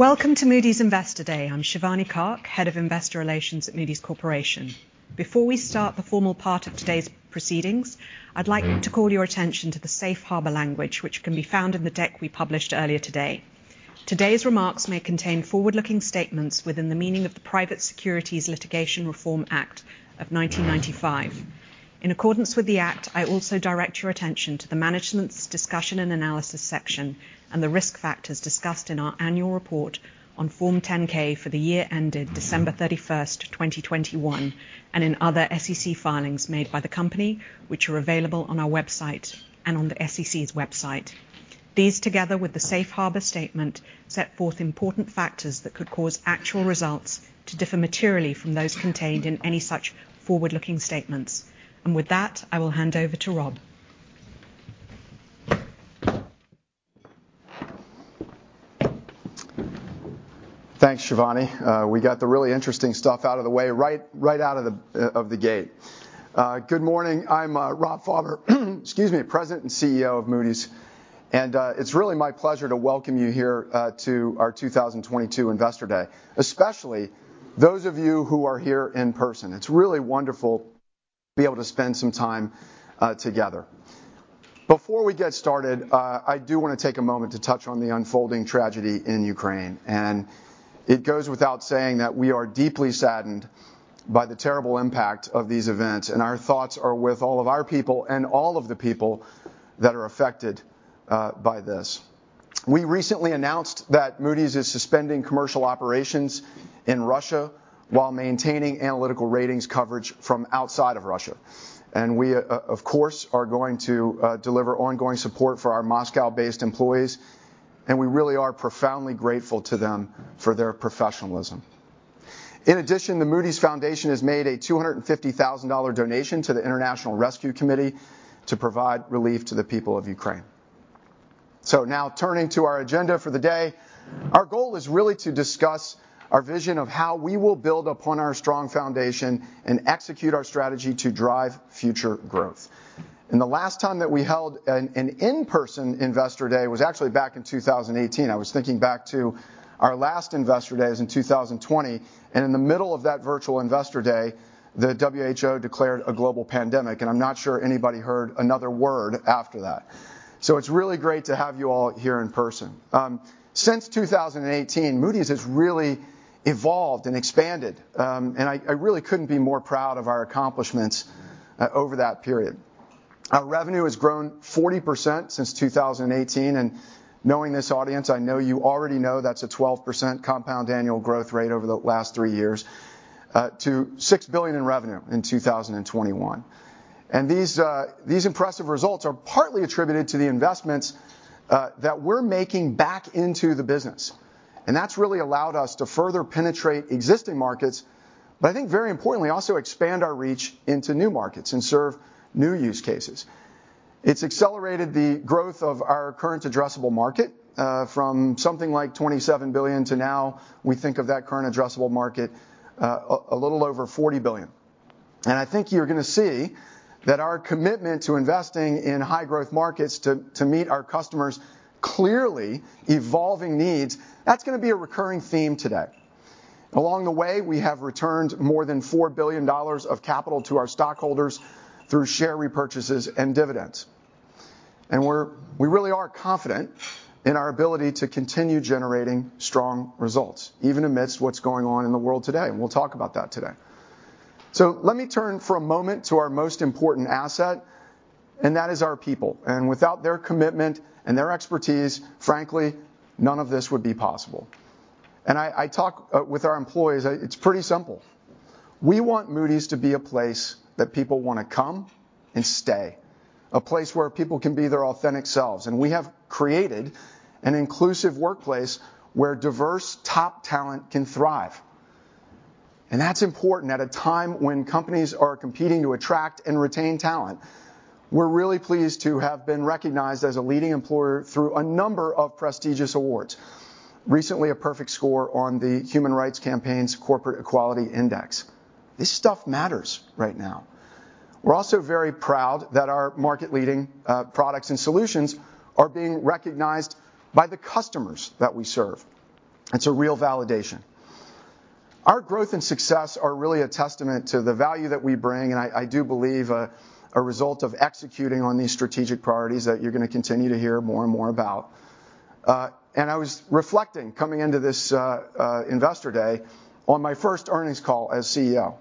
Welcome to Moody's Investor Day. I'm Shivani Kak, Head of Investor Relations at Moody's Corporation. Before we start the formal part of today's proceedings, I'd like to call your attention to the safe harbor language which can be found in the deck we published earlier today. Today's remarks may contain forward-looking statements within the meaning of the Private Securities Litigation Reform Act of 1995. In accordance with the act, I also direct your attention to the Management's Discussion and Analysis section and the risk factors discussed in our annual report on Form 10-K for the year ended December 31st, 2021, and in other SEC filings made by the company which are available on our website and on the SEC's website. These, together with the safe harbor statement, set forth important factors that could cause actual results to differ materially from those contained in any such forward-looking statements. With that, I will hand over to Rob. Thanks, Shivani. We got the really interesting stuff out of the way, right, out of the gate. Good morning. I'm Rob Fauber, excuse me, President and CEO of Moody's, and it's really my pleasure to welcome you here to our 2022 Investor Day, especially those of you who are here in person. It's really wonderful to be able to spend some time together. Before we get started, I do wanna take a moment to touch on the unfolding tragedy in Ukraine. It goes without saying that we are deeply saddened by the terrible impact of these events, and our thoughts are with all of our people and all of the people that are affected by this. We recently announced that Moody's is suspending commercial operations in Russia while maintaining analytical ratings coverage from outside of Russia. We, of course, are going to deliver ongoing support for our Moscow-based employees, and we really are profoundly grateful to them for their professionalism. In addition, the Moody's Foundation has made a $250,000 donation to the International Rescue Committee to provide relief to the people of Ukraine. Now turning to our agenda for the day, our goal is really to discuss our vision of how we will build upon our strong foundation and execute our strategy to drive future growth. The last time that we held an in-person Investor Day was actually back in 2018. I was thinking back to our last Investor Day was in 2020, and in the middle of that virtual Investor Day, the WHO declared a global pandemic, and I'm not sure anybody heard another word after that. It's really great to have you all here in person. Since 2018, Moody's has really evolved and expanded, and I really couldn't be more proud of our accomplishments over that period. Our revenue has grown 40% since 2018, and knowing this audience, I know you already know that's a 12% compound annual growth rate over the last three years to $6 billion in revenue in 2021. These impressive results are partly attributed to the investments that we're making back into the business, and that's really allowed us to further penetrate existing markets, but I think very importantly, also expand our reach into new markets and serve new use cases. It's accelerated the growth of our current addressable market from something like $27 billion to now we think of that current addressable market, a little over $40 billion. I think you're gonna see that our commitment to investing in high-growth markets to meet our customers' clearly evolving needs, that's gonna be a recurring theme today. Along the way, we have returned more than $4 billion of capital to our stockholders through share repurchases and dividends. We really are confident in our ability to continue generating strong results, even amidst what's going on in the world today, and we'll talk about that today. Let me turn for a moment to our most important asset, and that is our people. Without their commitment and their expertise, frankly, none of this would be possible. I talk with our employees, it's pretty simple. We want Moody's to be a place that people wanna come and stay, a place where people can be their authentic selves, and we have created an inclusive workplace where diverse top talent can thrive. That's important at a time when companies are competing to attract and retain talent. We're really pleased to have been recognized as a leading employer through a number of prestigious awards. Recently, a perfect score on the Human Rights Campaign's Corporate Equality Index. This stuff matters right now. We're also very proud that our market-leading products and solutions are being recognized by the customers that we serve. It's a real validation. Our growth and success are really a testament to the value that we bring, and I do believe a result of executing on these strategic priorities that you're gonna continue to hear more and more about. I was reflecting, coming into this Investor Day, on my first earnings call as CEO.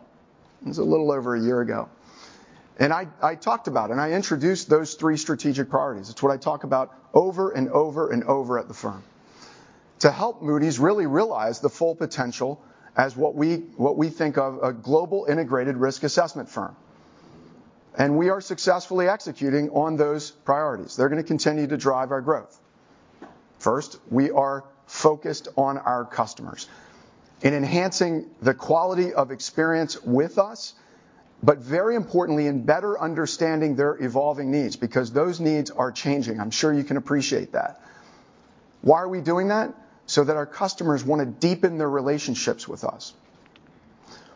It was a little over a year ago. I talked about and I introduced those three strategic priorities. It's what I talk about over and over and over at the firm. To help Moody's really realize the full potential as what we think of a global integrated risk assessment firm. We are successfully executing on those priorities. They're gonna continue to drive our growth. First, we are focused on our customers in enhancing the quality of experience with us, but very importantly, in better understanding their evolving needs because those needs are changing. I'm sure you can appreciate that. Why are we doing that? That our customers wanna deepen their relationships with us.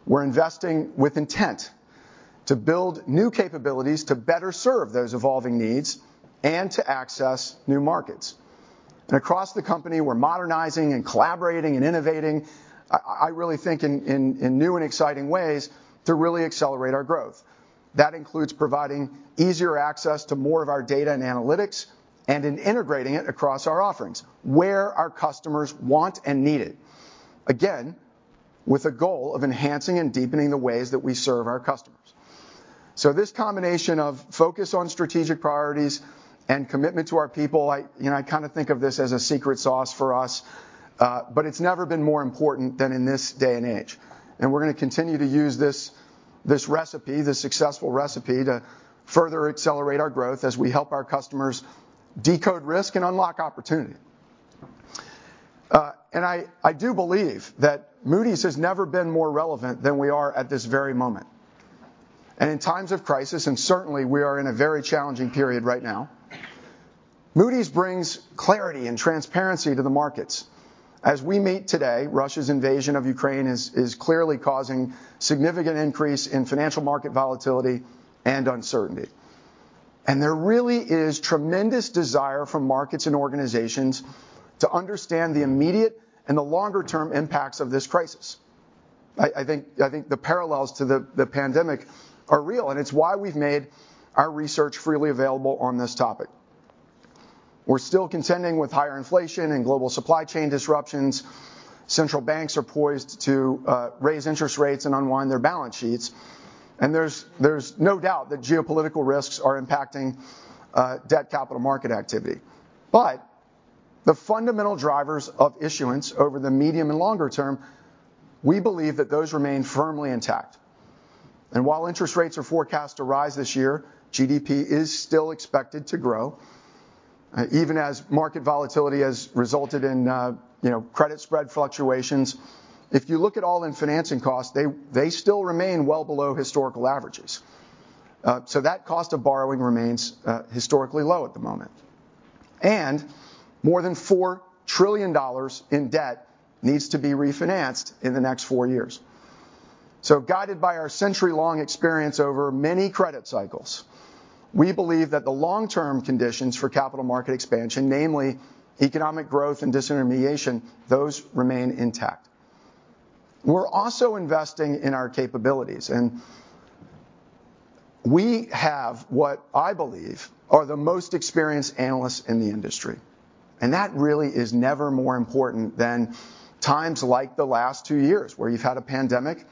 We're investing with intent to build new capabilities to better serve those evolving needs and to access new markets. Across the company, we're modernizing and collaborating and innovating. I really think in new and exciting ways to really accelerate our growth. That includes providing easier access to more of our data and analytics and in integrating it across our offerings, where our customers want and need it, again, with a goal of enhancing and deepening the ways that we serve our customers. This combination of focus on strategic priorities and commitment to our people, you know, I kinda think of this as a secret sauce for us, but it's never been more important than in this day and age. We're gonna continue to use this successful recipe to further accelerate our growth as we help our customers decode risk and unlock opportunity. I do believe that Moody's has never been more relevant than we are at this very moment. In times of crisis, and certainly we are in a very challenging period right now, Moody's brings clarity and transparency to the markets. As we meet today, Russia's invasion of Ukraine is clearly causing significant increase in financial market volatility and uncertainty. There really is tremendous desire from markets and organizations to understand the immediate and the longer-term impacts of this crisis. I think the parallels to the pandemic are real, and it's why we've made our research freely available on this topic. We're still contending with higher inflation and global supply chain disruptions. Central banks are poised to raise interest rates and unwind their balance sheets. There's no doubt that geopolitical risks are impacting debt capital market activity. The fundamental drivers of issuance over the medium and longer term, we believe that those remain firmly intact. While interest rates are forecast to rise this year, GDP is still expected to grow, even as market volatility has resulted in, you know, credit spread fluctuations. If you look at all-in financing costs, they still remain well below historical averages. That cost of borrowing remains historically low at the moment. More than $4 trillion in debt needs to be refinanced in the next four years. Guided by our century-long experience over many credit cycles, we believe that the long-term conditions for capital market expansion, namely economic growth and disintermediation, those remain intact. We're also investing in our capabilities, and we have what I believe are the most experienced analysts in the industry. That really is never more important than times like the last two years, where you've had a pandemic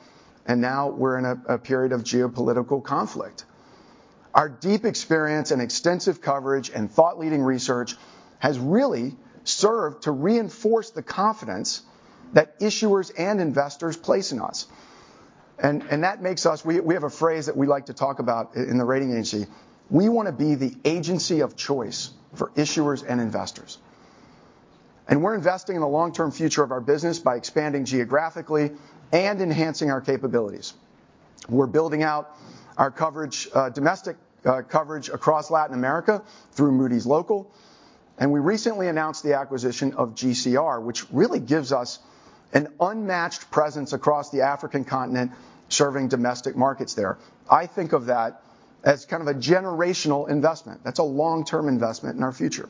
and now we're in a period of geopolitical conflict. Our deep experience and extensive coverage and thought-leading research has really served to reinforce the confidence that issuers and investors place in us. That makes us. We have a phrase that we like to talk about in the rating agency. We wanna be the agency of choice for issuers and investors. We're investing in the long-term future of our business by expanding geographically and enhancing our capabilities. We're building out our coverage, domestic coverage across Latin America through Moody's Local. We recently announced the acquisition of GCR, which really gives us an unmatched presence across the African continent, serving domestic markets there. I think of that as kind of a generational investment. That's a long-term investment in our future.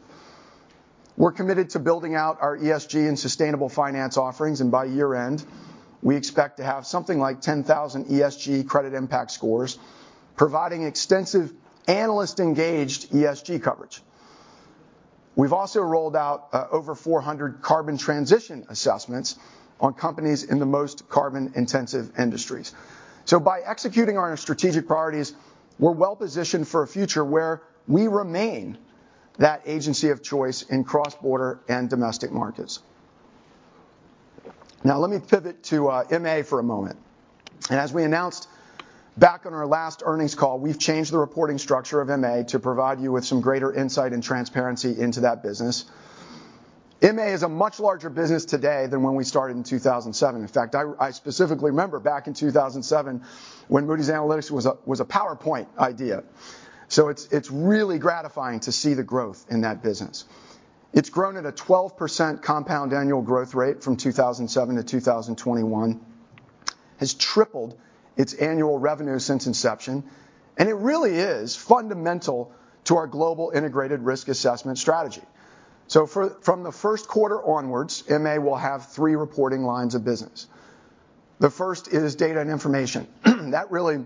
We're committed to building out our ESG and sustainable finance offerings, and by year-end, we expect to have something like 10,000 ESG Credit Impact Scores, providing extensive analyst-engaged ESG coverage. We've also rolled out over 400 Carbon Transition Assessments on companies in the most carbon-intensive industries. By executing on our strategic priorities, we're well-positioned for a future where we remain that agency of choice in cross-border and domestic markets. Now let me pivot to MA for a moment. As we announced back on our last earnings call, we've changed the reporting structure of MA to provide you with some greater insight and transparency into that business. MA is a much larger business today than when we started in 2007. In fact, I specifically remember back in 2007 when Moody's Analytics was a PowerPoint idea. It's really gratifying to see the growth in that business. It's grown at a 12% compound annual growth rate from 2007 to 2021, has tripled it's annual revenue since inception, and it really is fundamental to our global integrated risk assessment strategy. From the Q1 onwards, MA will have three reporting lines of business. The first is Data and Information. That really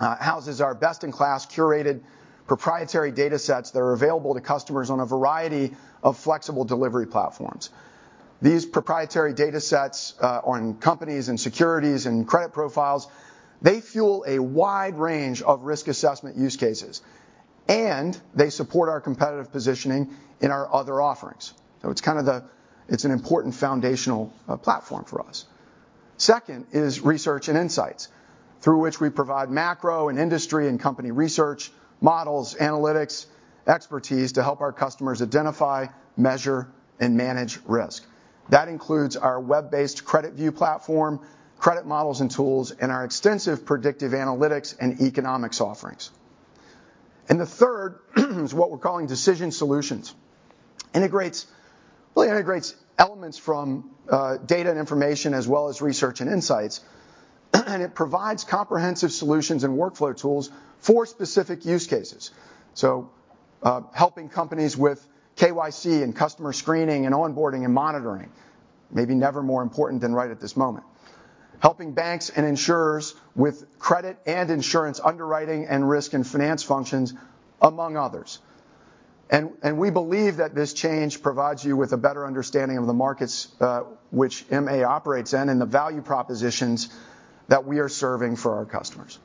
houses our best-in-class, curated, proprietary datasets that are available to customers on a variety of flexible delivery platforms. These proprietary datasets on companies and securities and credit profiles, they fuel a wide range of risk assessment use cases, and they support our competitive positioning in our other offerings. It's kind of the... It's an important foundational platform for us. Second is Research and Insights, through which we provide macro and industry and company research, models, analytics, expertise to help our customers identify, measure, and manage risk. That includes our web-based CreditView platform, credit models and tools, and our extensive predictive analytics and economics offerings. The third is what we're calling Decision Solutions. Well, it integrates elements from Data and Information as well as Research and Insights, and it provides comprehensive solutions and workflow tools for specific use cases. Helping companies with KYC and customer screening and onboarding and monitoring may be never more important than right at this moment. Helping banks and insurers with credit and insurance underwriting and risk and finance functions, among others. We believe that this change provides you with a better understanding of the markets which MA operates in, and the value propositions that we are serving for our customers.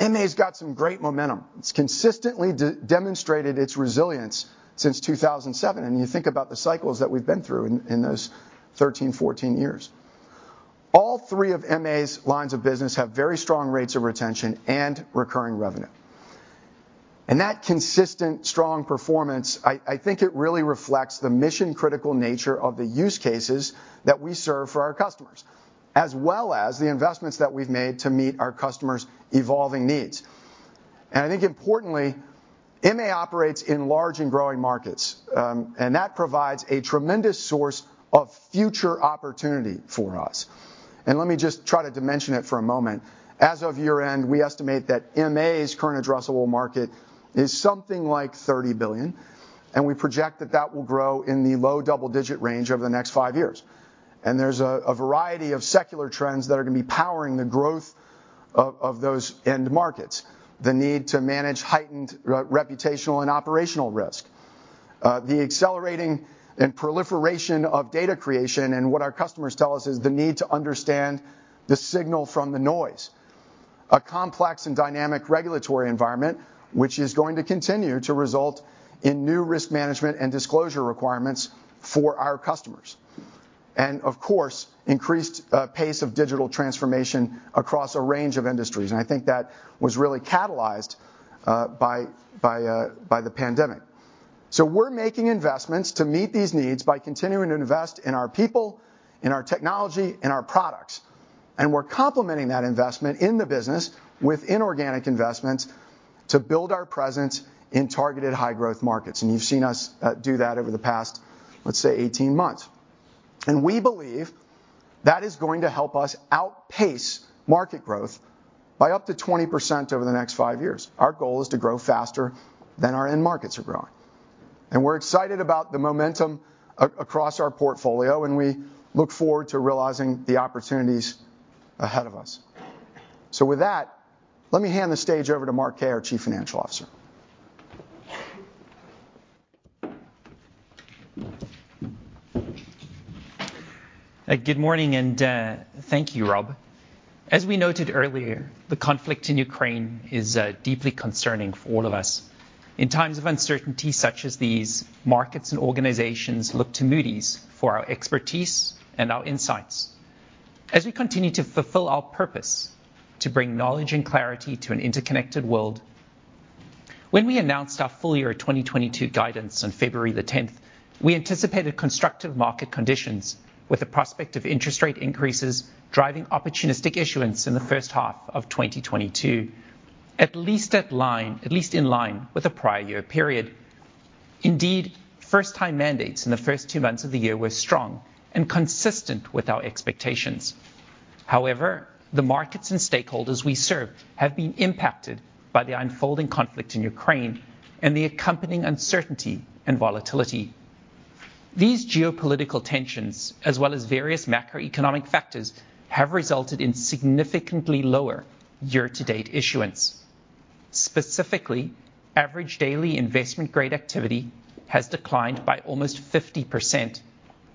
MA's got some great momentum. It's consistently demonstrated its resilience since 2007, and you think about the cycles that we've been through in those 13, 14 years. All three of MA's lines of business have very strong rates of retention and recurring revenue. That consistent strong performance, I think it really reflects the mission-critical nature of the use cases that we serve for our customers, as well as the investments that we've made to meet our customers' evolving needs. I think importantly, MA operates in large and growing markets, and that provides a tremendous source of future opportunity for us. Let me just try to dimension it for a moment. As of year-end, we estimate that MA's current addressable market is something like $30 billion, and we project that that will grow in the low double-digit range over the next five years. There's a variety of secular trends that are gonna be powering the growth of those end markets. The need to manage heightened reputational and operational risk. The accelerating proliferation of data creation and what our customers tell us is the need to understand the signal from the noise. A complex and dynamic regulatory environment which is going to continue to result in new risk management and disclosure requirements for our customers, and of course, increased pace of digital transformation across a range of industries, and I think that was really catalyzed by the pandemic. We're making investments to meet these needs by continuing to invest in our people, in our technology, in our products, and we're complementing that investment in the business with inorganic investments to build our presence in targeted high-growth markets, and you've seen us do that over the past, let's say, 18 months. We believe that is going to help us outpace market growth by up to 20% over the next five years. Our goal is to grow faster than our end markets are growing. We're excited about the momentum across our portfolio, and we look forward to realizing the opportunities ahead of us. With that, let me hand the stage over to Mark Kaye, our Chief Financial Officer. Good morning, and thank you, Rob. As we noted earlier, the conflict in Ukraine is deeply concerning for all of us. In times of uncertainty such as these, markets and organizations look to Moody's for our expertise and our insights. As we continue to fulfill our purpose to bring knowledge and clarity to an interconnected world. When we announced our FY 2022 guidance on February 10th, we anticipated constructive market conditions with the prospect of interest rate increases driving opportunistic issuance in the H1 of 2022, at least in line with the prior year period. Indeed, first-time mandates in the first two months of the year were strong and consistent with our expectations. However, the markets and stakeholders we serve have been impacted by the unfolding conflict in Ukraine and the accompanying uncertainty and volatility. These geopolitical tensions, as well as various macroeconomic factors, have resulted in significantly lower year-to-date issuance. Specifically, average daily investment-grade activity has declined by almost 50%,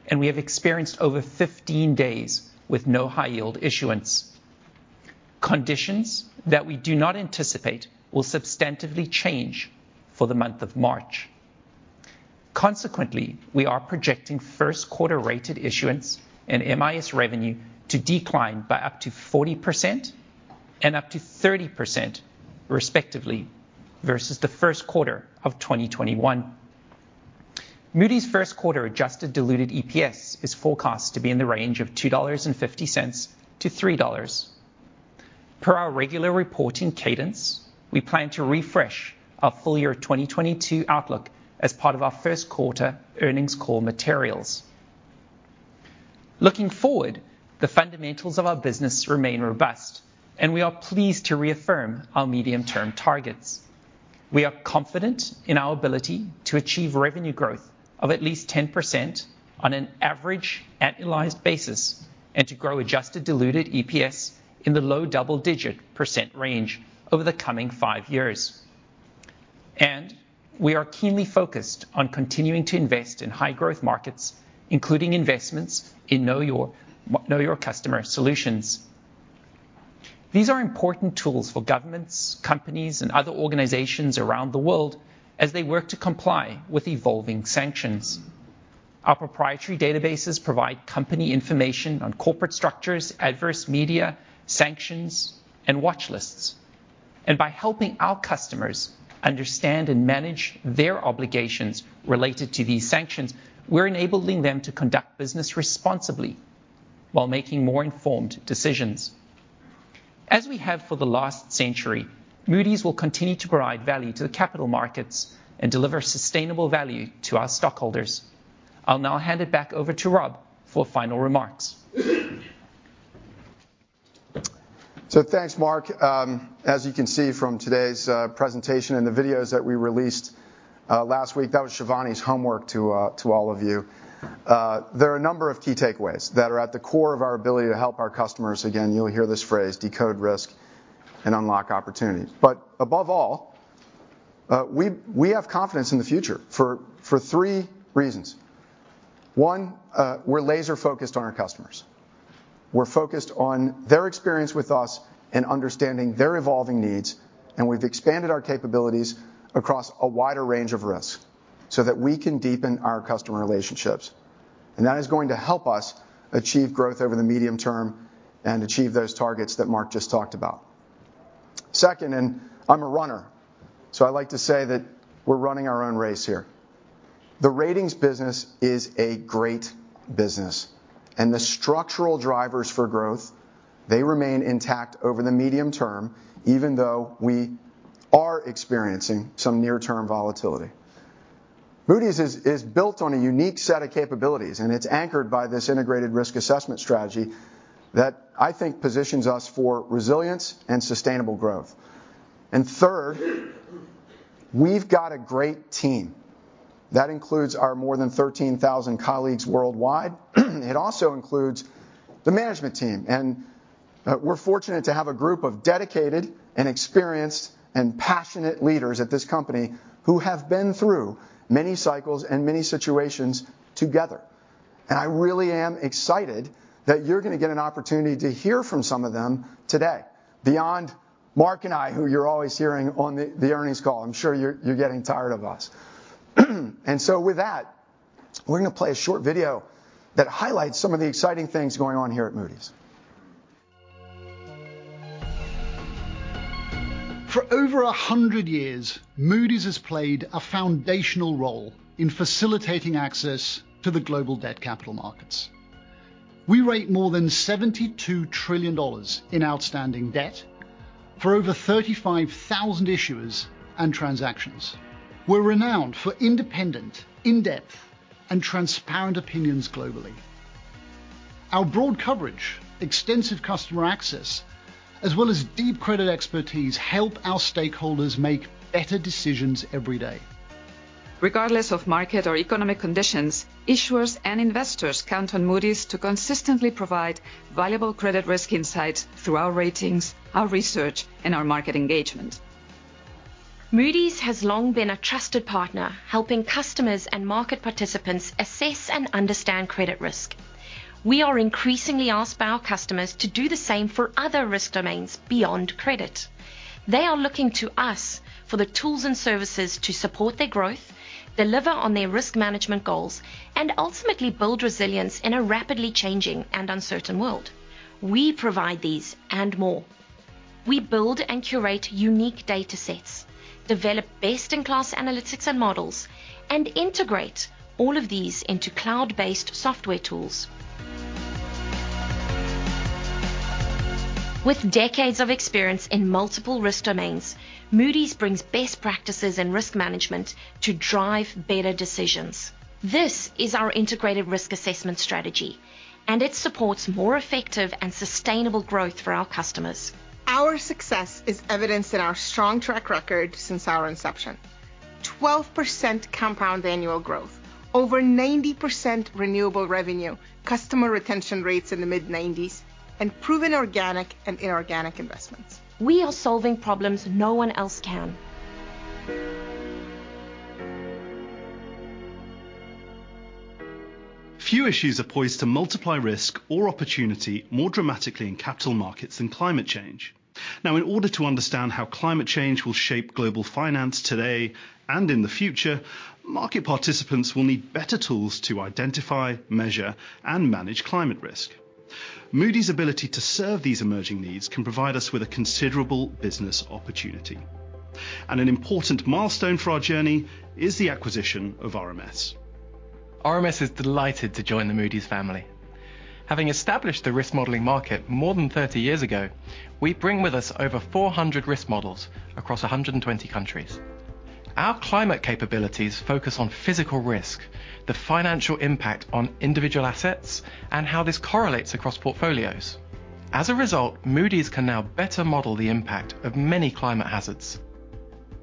and we have experienced over 15 days with no high-yield issuance. Conditions that we do not anticipate will substantively change for the month of March. Consequently, we are projecting Q1 rated issuance and MIS revenue to decline by up to 40% and up to 30% respectively, versus the Q1 of 2021. Moody's Q1 adjusted diluted EPS is forecast to be in the range of $2.50-$3. Per our regular reporting cadence, we plan to refresh our FY 2022 outlook as part of our Q1 Earnings Call materials. Looking forward, the fundamentals of our business remain robust, and we are pleased to reaffirm our medium-term targets. We are confident in our ability to achieve revenue growth of at least 10% on an average annualized basis and to grow adjusted diluted EPS in the low double-digit % range over the coming five years. We are keenly focused on continuing to invest in high-growth markets, including investments in Know Your Customer solutions. These are important tools for governments, companies, and other organizations around the world as they work to comply with evolving sanctions. Our proprietary databases provide company information on corporate structures, adverse media, sanctions, and watch lists. By helping our customers understand and manage their obligations related to these sanctions, we're enabling them to conduct business responsibly. While making more informed decisions. As we have for the last century, Moody's will continue to provide value to the capital markets and deliver sustainable value to our stockholders. I'll now hand it back over to Rob for final remarks. Thanks, Mark. As you can see from today's presentation and the videos that we released last week, that was Shivani's homework to all of you. There are a number of key takeaways that are at the core of our ability to help our customers. Again, you'll hear this phrase, decode risk and unlock opportunities. Above all, we have confidence in the future for three reasons. One, we're laser-focused on our customers. We're focused on their experience with us and understanding their evolving needs, and we've expanded our capabilities across a wider range of risks so that we can deepen our customer relationships. That is going to help us achieve growth over the medium term and achieve those targets that Mark just talked about. Second, I'm a runner, so I like to say that we're running our own race here. The ratings business is a great business and the structural drivers for growth, they remain intact over the medium term, even though we are experiencing some near-term volatility. Moody's is built on a unique set of capabilities, and it's anchored by this integrated risk assessment strategy that I think positions us for resilience and sustainable growth. Third, we've got a great team. That includes our more than 13,000 colleagues worldwide. It also includes the management team. We're fortunate to have a group of dedicated and experienced and passionate leaders at this company who have been through many cycles and many situations together. I really am excited that you're gonna get an opportunity to hear from some of them today. Beyond Mark and I, who you're always hearing on the earnings call. I'm sure you're getting tired of us. With that, we're gonna play a short video that highlights some of the exciting things going on here at Moody's. For over 100 years, Moody's has played a foundational role in facilitating access to the global debt capital markets. We rate more than $72 trillion in outstanding debt for over 35,000 issuers and transactions. We're renowned for independent, in-depth, and transparent opinions globally. Our broad coverage, extensive customer access, as well as deep credit expertise help our stakeholders make better decisions every day. Regardless of market or economic conditions, issuers and investors count on Moody's to consistently provide valuable credit risk insights through our ratings, our research, and our market engagement. Moody's has long been a trusted partner helping customers and market participants assess and understand credit risk. We are increasingly asked by our customers to do the same for other risk domains beyond credit. They are looking to us for the tools and services to support their growth, deliver on their risk management goals, and ultimately build resilience in a rapidly changing and uncertain world. We provide these and more. We build and curate unique datasets, develop best-in-class analytics and models, and integrate all of these into cloud-based software tools. With decades of experience in multiple risk domains, Moody's brings best practices and risk management to drive better decisions. This is our integrated risk assessment strategy, and it supports more effective and sustainable growth for our customers. Our success is evidenced in our strong track record since our inception. 12% compound annual growth, over 90% recurring revenue, customer retention rates in the mid-90s, and proven organic and inorganic investments. We are solving problems no one else can. Few issues are poised to multiply risk or opportunity more dramatically in capital markets than climate change. Now, in order to understand how climate change will shape global finance today and in the future, market participants will need better tools to identify, measure, and manage climate risk. Moody's ability to serve these emerging needs can provide us with a considerable business opportunity. An important milestone for our journey is the acquisition of RMS. RMS is delighted to join the Moody's family. Having established the risk modeling market more than 30 years ago, we bring with us over 400 risk models across 120 countries. Our climate capabilities focus on physical risk, the financial impact on individual assets, and how this correlates across portfolios. As a result, Moody's can now better model the impact of many climate hazards,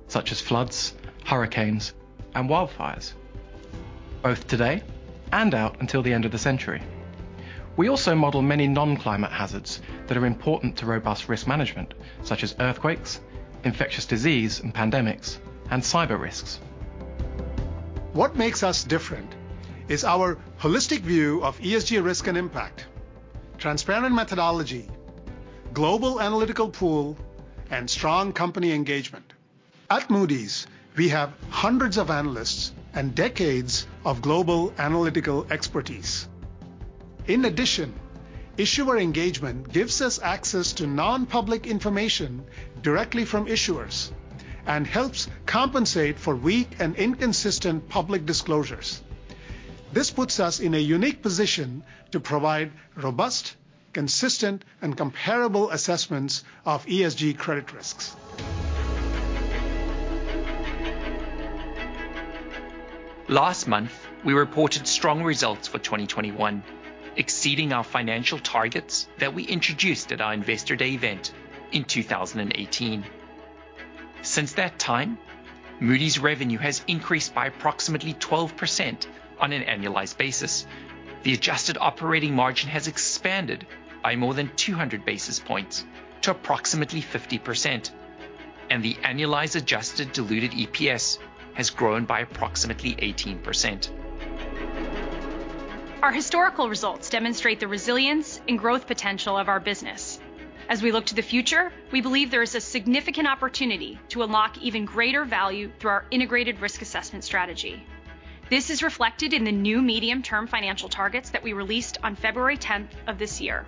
such as floods, hurricanes, and wildfires, both today and out until the end of the century. We also model many non-climate hazards that are important to robust risk management, such as earthquakes, infectious disease and pandemics, and cyber risks. What makes us different is our holistic view of ESG risk and impact, transparent methodology, global analytical pool, and strong company engagement. At Moody's, we have hundreds of analysts and decades of global analytical expertise. In addition, issuer engagement gives us access to non-public information directly from issuers and helps compensate for weak and inconsistent public disclosures. This puts us in a unique position to provide robust, consistent, and comparable assessments of ESG credit risks. Last month, we reported strong results for 2021, exceeding our financial targets that we introduced at our Investor Day event in 2018. Since that time, Moody's revenue has increased by approximately 12% on an annualized basis. The adjusted operating margin has expanded by more than 200 basis points to approximately 50%, and the annualized adjusted diluted EPS has grown by approximately 18%. Our historical results demonstrate the resilience and growth potential of our business. As we look to the future, we believe there is a significant opportunity to unlock even greater value through our integrated risk assessment strategy. This is reflected in the new medium-term financial targets that we released on February 10th of this year.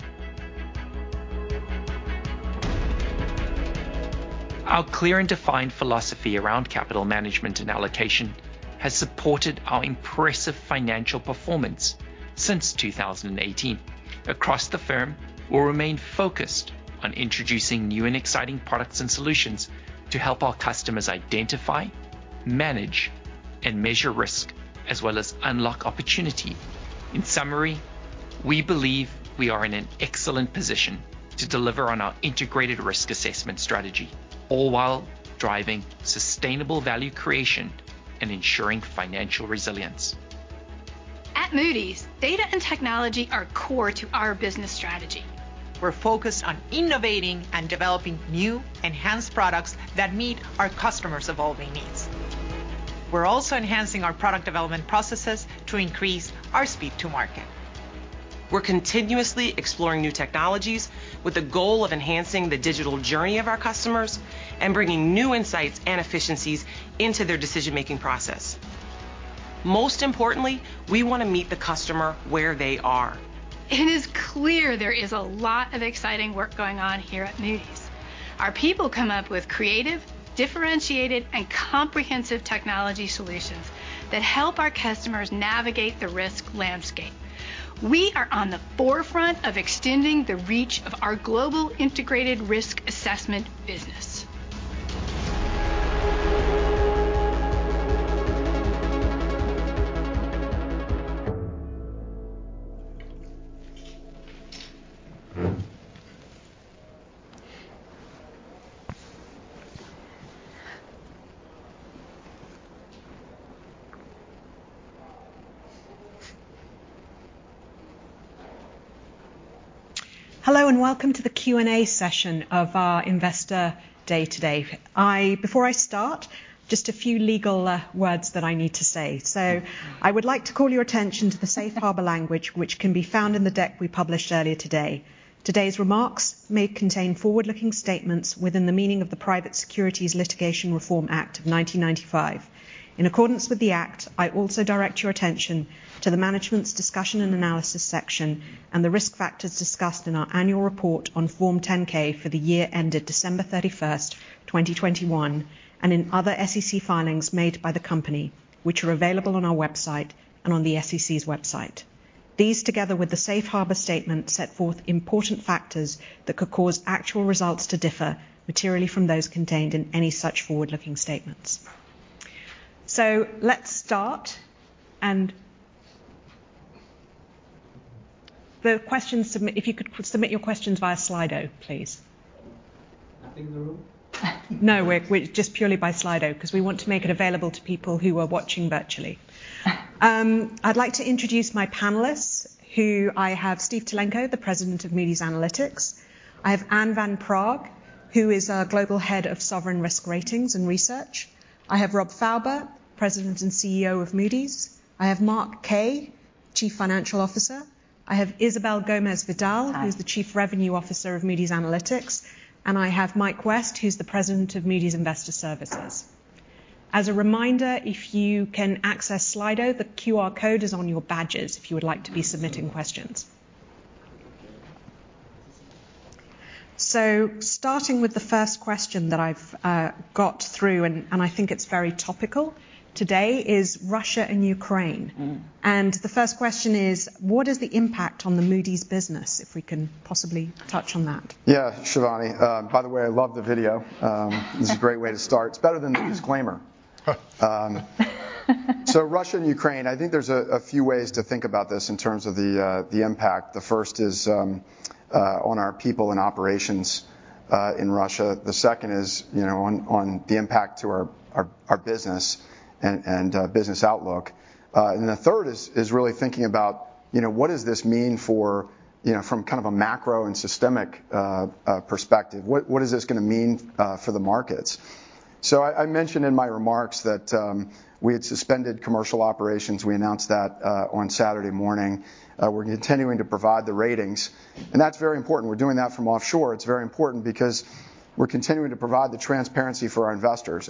Our clear and defined philosophy around capital management and allocation has supported our impressive financial performance since 2018. Across the firm, we'll remain focused on introducing new and exciting products and solutions to help our customers identify, manage, and measure risk, as well as unlock opportunity. In summary, we believe we are in an excellent position to deliver on our integrated risk assessment strategy, all while driving sustainable value creation and ensuring financial resilience. At Moody's, data and technology are core to our business strategy. We're focused on innovating and developing new enhanced products that meet our customers evolving needs. We're also enhancing our product development processes to increase our speed to market. We're continuously exploring new technologies with the goal of enhancing the digital journey of our customers and bringing new insights and efficiencies into their decision-making process. Most importantly, we wanna meet the customer where they are. It is clear there is a lot of exciting work going on here at Moody's. Our people come up with creative, differentiated, and comprehensive technology solutions that help our customers navigate the risk landscape. We are on the forefront of extending the reach of our global integrated risk assessment business. Hello, and welcome to the Q&A session of our Investor Day today. Before I start, just a few legal words that I need to say. I would like to call your attention to the safe harbor language which can be found in the deck we published earlier today. Today's remarks may contain forward-looking statements within the meaning of the Private Securities Litigation Reform Act of 1995. In accordance with the act, I also direct your attention to the Management's Discussion and Analysis section and the risk factors discussed in our annual report on Form 10-K for the year ended December 31st, 2021, and in other SEC filings made by the company, which are available on our website and on the SEC's website. These, together with the safe harbor statement, set forth important factors that could cause actual results to differ materially from those contained in any such forward-looking statements. Let's start. If you could submit your questions via Slido, please. Nothing in the room? No. Just purely by Slido 'cause we want to make it available to people who are watching virtually. I'd like to introduce my panelists who I have Stephen Tulenko, the President of Moody's Analytics. I have Anne Van Praagh, who is our Global Head of Sovereign Risk Ratings and Research. I have Rob Fauber, President and CEO of Moody's. I have Mark Kaye, Chief Financial Officer. I have Isabel Gomez Vidal... Hi. Isabel who's the Chief Revenue Officer of Moody's Analytics. I have Mike West, who's the President of Moody's Investors Service. As a reminder, if you can access Slido, the QR code is on your badges if you would like to be submitting questions. Starting with the first question that I've got through, and I think it's very topical today, is Russia and Ukraine. Mm-hmm. The first question is: What is the impact on the Moody's business? If we can possibly touch on that. Yeah, Shivani. By the way, I love the video. It's a great way to start. It's better than the disclaimer. Russia and Ukraine, I think there's a few ways to think about this in terms of the impact. The first is on our people and operations in Russia. The second is, you know, on the impact to our business and business outlook. And then the third is really thinking about, you know, what does this mean for, you know, from kind of a macro and systemic perspective. What is this gonna mean for the markets? I mentioned in my remarks that we had suspended commercial operations. We announced that on Saturday morning. We're continuing to provide the ratings, and that's very important. We're doing that from offshore. It's very important because we're continuing to provide the transparency for our investors.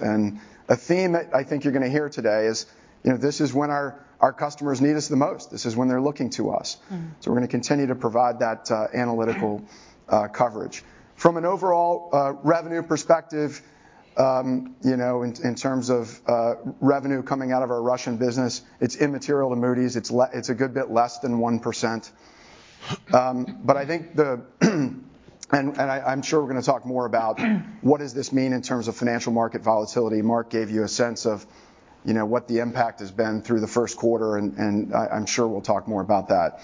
A theme that I think you're gonna hear today is, you know, this is when our customers need us the most. This is when they're looking to us. Mm-hmm. We're gonna continue to provide that analytical Coverage. From an overall revenue perspective, you know, in terms of revenue coming out of our Russian business, it's immaterial to Moody's. It's a good bit less than 1%. But I think we're gonna talk more about what does this mean in terms of financial market volatility. Mark gave you a sense of, you know, what the impact has been through the Q1, and I'm sure we'll talk more about that.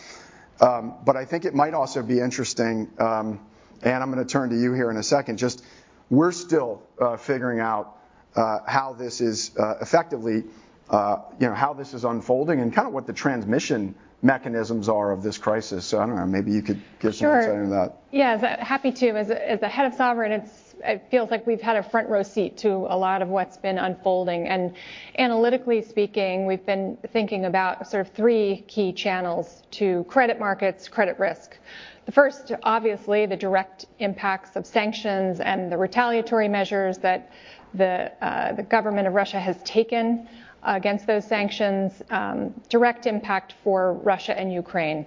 But I think it might also be interesting, Anne, I'm gonna turn to you here in a second. Just we're still figuring out how this is effectively, you know, how this is unfolding and kind of what the transmission mechanisms are of this crisis. I don't know, maybe you could give some insight on that. Sure. Yeah. Happy to. As a head of sovereign, it feels like we've had a front row seat to a lot of what's been unfolding. Analytically speaking, we've been thinking about sort of three key channels to credit markets, credit risk. The first, obviously, the direct impacts of sanctions and the retaliatory measures that the government of Russia has taken against those sanctions, direct impact for Russia and Ukraine.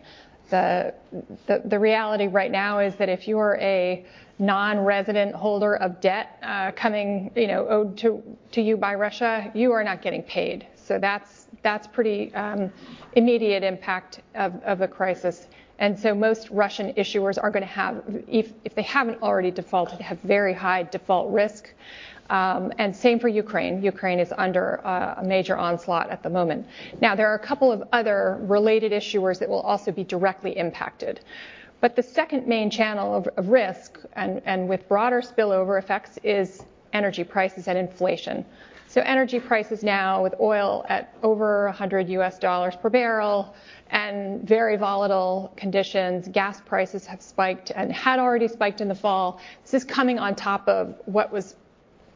The reality right now is that if you are a non-resident holder of debt coming, you know, owed to you by Russia, you are not getting paid. That's pretty immediate impact of a crisis. Most Russian issuers are gonna have, if they haven't already defaulted, very high default risk. Same for Ukraine. Ukraine is under a major onslaught at the moment. Now, there are a couple of other related issuers that will also be directly impacted. The second main channel of risk and with broader spillover effects is energy prices and inflation. Energy prices now with oil at over $100 per barrel and very volatile conditions. Gas prices have spiked and had already spiked in the fall. This is coming on top of what was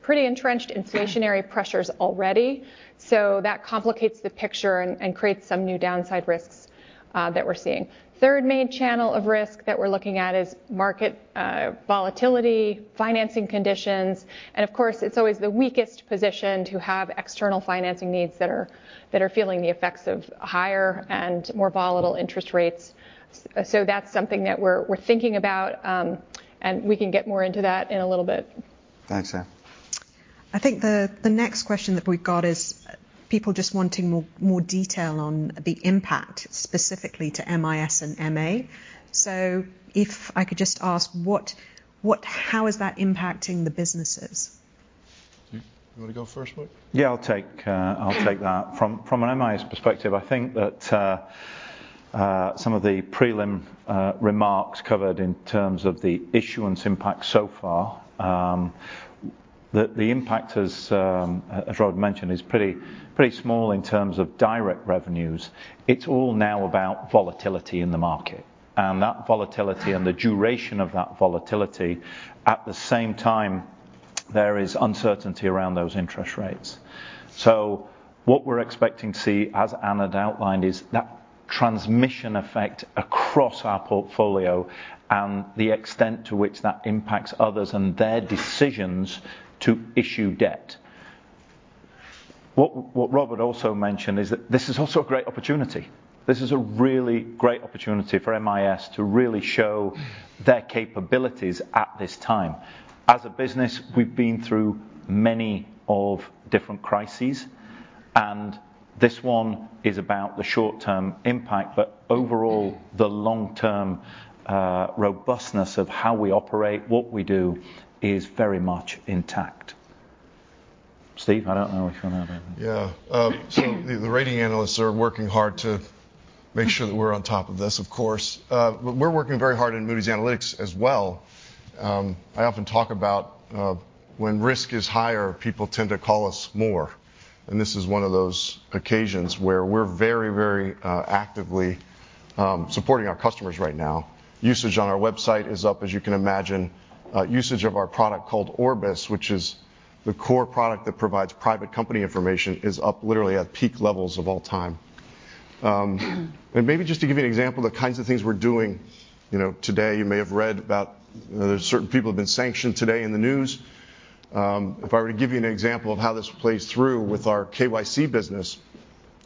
pretty entrenched inflationary pressures already. That complicates the picture and creates some new downside risks that we're seeing. Third main channel of risk that we're looking at is market volatility, financing conditions, and of course, it's always the weakest position to have external financing needs that are feeling the effects of higher and more volatile interest rates. That's something that we're thinking about, and we can get more into that in a little bit. Thanks, Anne. I think the next question that we've got is people just wanting more detail on the impact specifically to MIS and MA. If I could just ask how is that impacting the businesses? Do you wanna go first, Mike? Yeah. I'll take that. From an MIS perspective, I think that some of the prelim remarks covered in terms of the issuance impact so far, the impact as Rob mentioned, is pretty small in terms of direct revenues. It's all now about volatility in the market. That volatility and the duration of that volatility, at the same time there is uncertainty around those interest rates. What we're expecting to see, as Anne had outlined, is that transmission effect across our portfolio and the extent to which that impacts others and their decisions to issue debt. What Rob had also mentioned is that this is also a great opportunity. This is a really great opportunity for MIS to really show their capabilities at this time. As a business, we've been through many different crises, and this one is about the short-term impact, but overall, the long-term robustness of how we operate, what we do, is very much intact. Steve, I don't know if you wanna add anything. Yeah. The rating analysts are working hard to make sure that we're on top of this, of course. We're working very hard in Moody's Analytics as well. I often talk about when risk is higher, people tend to call us more, and this is one of those occasions where we're very actively supporting our customers right now. Usage on our website is up, as you can imagine. Usage of our product called Orbis, which is the core product that provides private company information, is up literally at peak levels of all time. Maybe just to give you an example of the kinds of things we're doing, you know, today, you may have read about, you know, there's certain people have been sanctioned today in the news. If I were to give you an example of how this plays through with our KYC business,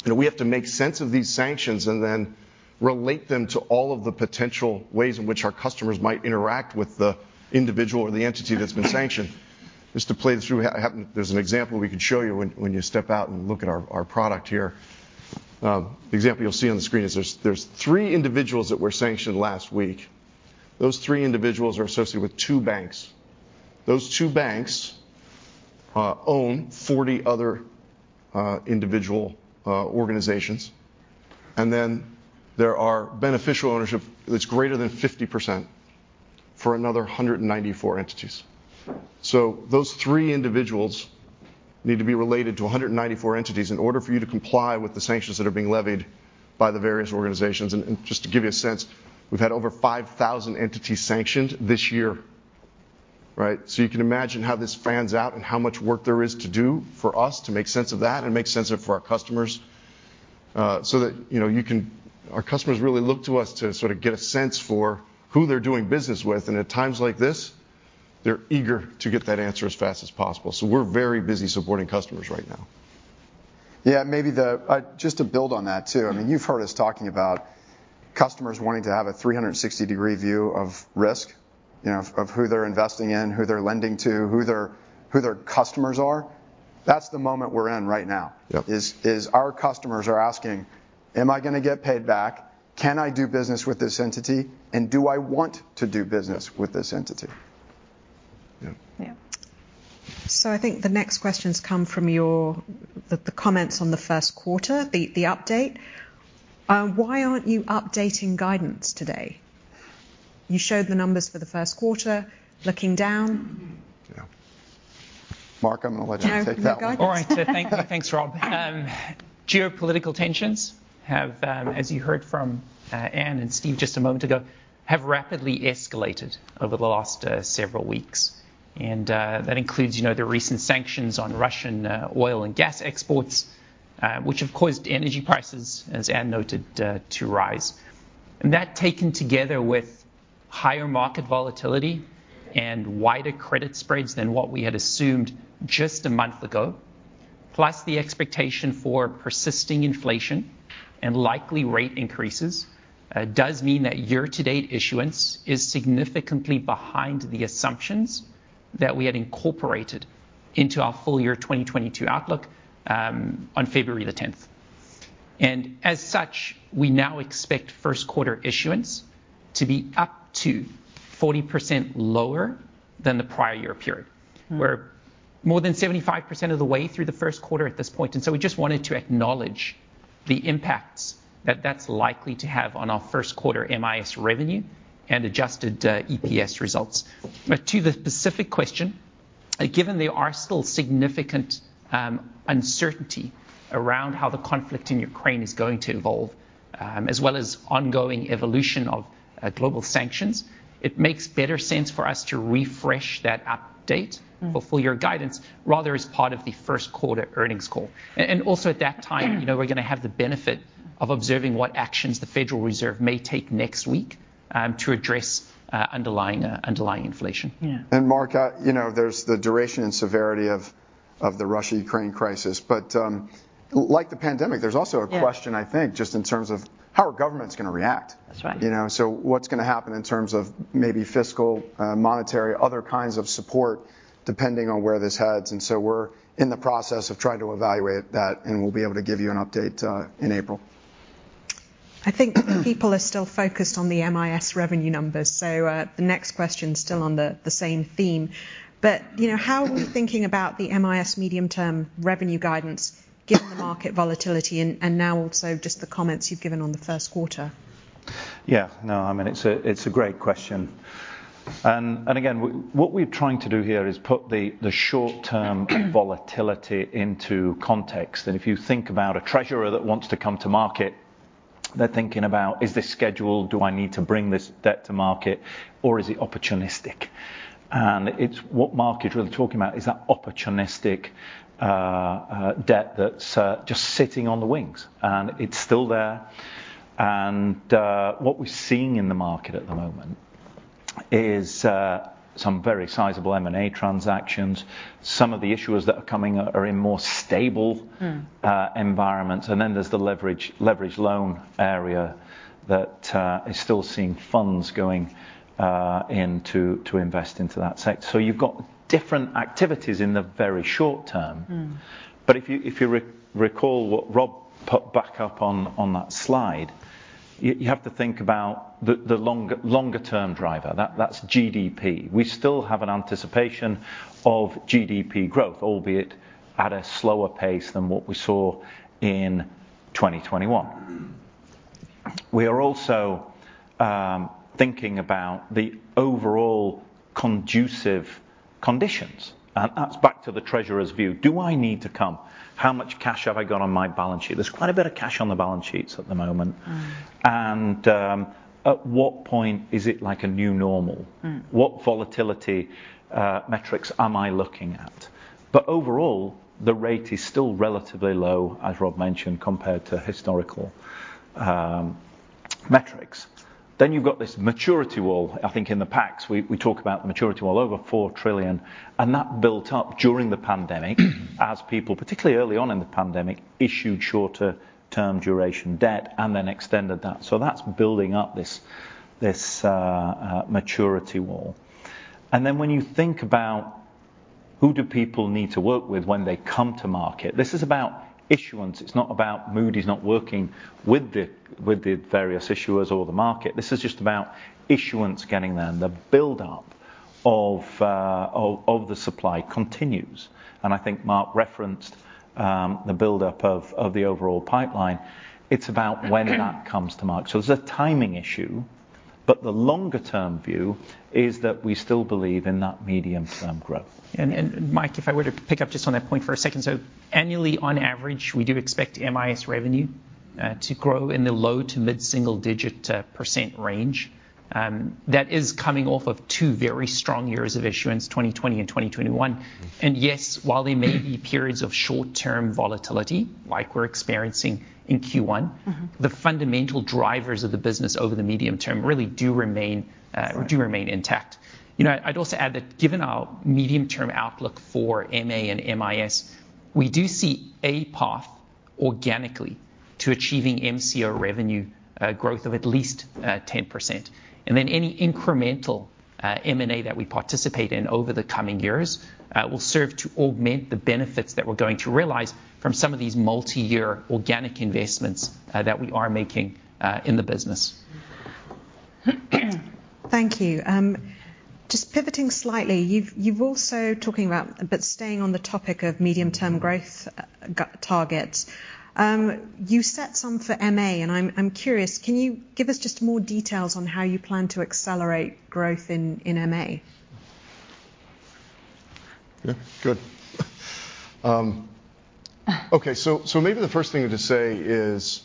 you know, we have to make sense of these sanctions and then relate them to all of the potential ways in which our customers might interact with the individual or the entity that's been sanctioned. Just to play this through, there's an example we can show you when you step out and look at our product here. The example you'll see on the screen is there's three individuals that were sanctioned last week. Those three individuals are associated with two banks. Those two banks own 40 other individual organizations. Then there are beneficial ownership that's greater than 50% for another 194 entities. Those three individuals need to be related to 194 entities in order for you to comply with the sanctions that are being levied by the various organizations. Just to give you a sense, we've had over 5,000 entities sanctioned this year, right? You can imagine how this fans out and how much work there is to do for us to make sense of that and make sense of it for our customers, so that, you know, our customers really look to us to sort of get a sense for who they're doing business with. At times like this, they're eager to get that answer as fast as possible. We're very busy supporting customers right now. Yeah, maybe just to build on that too. I mean, you've heard us talking about customers wanting to have a 360-degree view of risk, you know, of who they're investing in, who they're lending to, who their customers are. That's the moment we're in right now. Yep. Our customers are asking, "Am I gonna get paid back? Can I do business with this entity? And do I want to do business with this entity? Yeah. Yeah. I think the next questions come from your comments on the Q1, the update. Why aren't you updating guidance today? You showed the numbers for the Q1 looking down. Yeah. Mark, I'm gonna let you take that one. No, go ahead. All right. Thank you. Thanks, Rob. Geopolitical tensions have, as you heard from Anne and Steve just a moment ago, have rapidly escalated over the last several weeks. That includes, you know, the recent sanctions on Russian oil and gas exports, which have caused energy prices, as Anne noted, to rise. That taken together with higher market volatility and wider credit spreads than what we had assumed just a month ago, plus the expectation for persisting inflation and likely rate increases, does mean that year-to-date issuance is significantly behind the assumptions that we had incorporated into our full year 2022 outlook on February 10th. As such, we now expect Q1 issuance to be up to 40% lower than the prior year period. We're more than 75% of the way through the Q1 at this point, and so we just wanted to acknowledge the impacts that that's likely to have on our Q1 MIS revenue and adjusted EPS results. To the specific question, given there are still significant uncertainty around how the conflict in Ukraine is going to evolve, as well as ongoing evolution of global sanctions, it makes better sense for us to refresh that update for full year guidance rather as part of the Q1 earnings call. Also at that time, you know, we're gonna have the benefit of observing what actions the Federal Reserve may take next week to address underlying inflation. Yeah. Mark, you know, there's the duration and severity of the Russia-Ukraine crisis, but like the pandemic, there's also a question, I think, just in terms of how are governments gonna react. That's right. You know, what's gonna happen in terms of maybe fiscal, monetary, other kinds of support depending on where this heads? We're in the process of trying to evaluate that, and we'll be able to give you an update in April. I think people are still focused on the MIS revenue numbers, so the next question's still on the same theme. You know, how are we thinking about the MIS medium-term revenue guidance given the market volatility and now also just the comments you've given on the Q1? Yeah. No, I mean, it's a great question. What we're trying to do here is put the short-term volatility into context. If you think about a treasurer that wants to come to market, they're thinking about, "Is this scheduled? Do I need to bring this debt to market, or is it opportunistic?" It's what Mark is really talking about is that opportunistic debt that's just sitting on the wings, and it's still there. What we're seeing in the market at the moment is some very sizable M&A transactions. Some of the issuers that are coming are in more stable... Mm. Environments, and then there's the leveraged loan area that is still seeing funds going to invest into that sector. You've got different activities in the very short term. Mm. If you recall what Rob put back up on that slide, you have to think about the longer term driver, that's GDP. We still have an anticipation of GDP growth, albeit at a slower pace than what we saw in 2021. We are also thinking about the overall conducive conditions, and that's back to the treasurer's view. Do I need to come? How much cash have I got on my balance sheet? There's quite a bit of cash on the balance sheets at the moment. Mm. At what point is it like a new normal? Mm. What volatility metrics am I looking at? Overall, the rate is still relatively low, as Rob mentioned, compared to historical metrics. You've got this maturity wall. I think in the packs we talk about the maturity wall over $4 trillion, and that built up during the pandemic as people, particularly early on in the pandemic, issued shorter term duration debt and then extended that. That's building up this maturity wall. When you think about who do people need to work with when they come to market, this is about issuance. It's not about Moody's not working with the various issuers or the market. This is just about issuance getting there, and the buildup of the supply continues. I think Mark referenced the buildup of the overall pipeline. It's about when that comes to market. It's a timing issue, but the longer term view is that we still believe in that medium-term growth. Mike, if I were to pick up just on that point for a second. Annually on average, we do expect MIS revenue to grow in the low- to mid-single-digit % range. That is coming off of two very strong years of issuance, 2020 and 2021. Yes, while there may be periods of short-term volatility like we're experiencing in Q1... Mm-hmm. The fundamental drivers of the business over the medium term really do remain intact. You know, I'd also add that given our medium-term outlook for MA and MIS, we do see a path organically to achieving MCO revenue growth of at least 10%. Then any incremental M&A that we participate in over the coming years will serve to augment the benefits that we're going to realize from some of these multi-year organic investments that we are making in the business. Thank you. Just pivoting slightly, you've also been talking about but staying on the topic of medium-term growth targets. You set some for MA and I'm curious. Can you give us just more details on how you plan to accelerate growth in MA? Yeah. Good. Okay, so maybe the first thing to say is,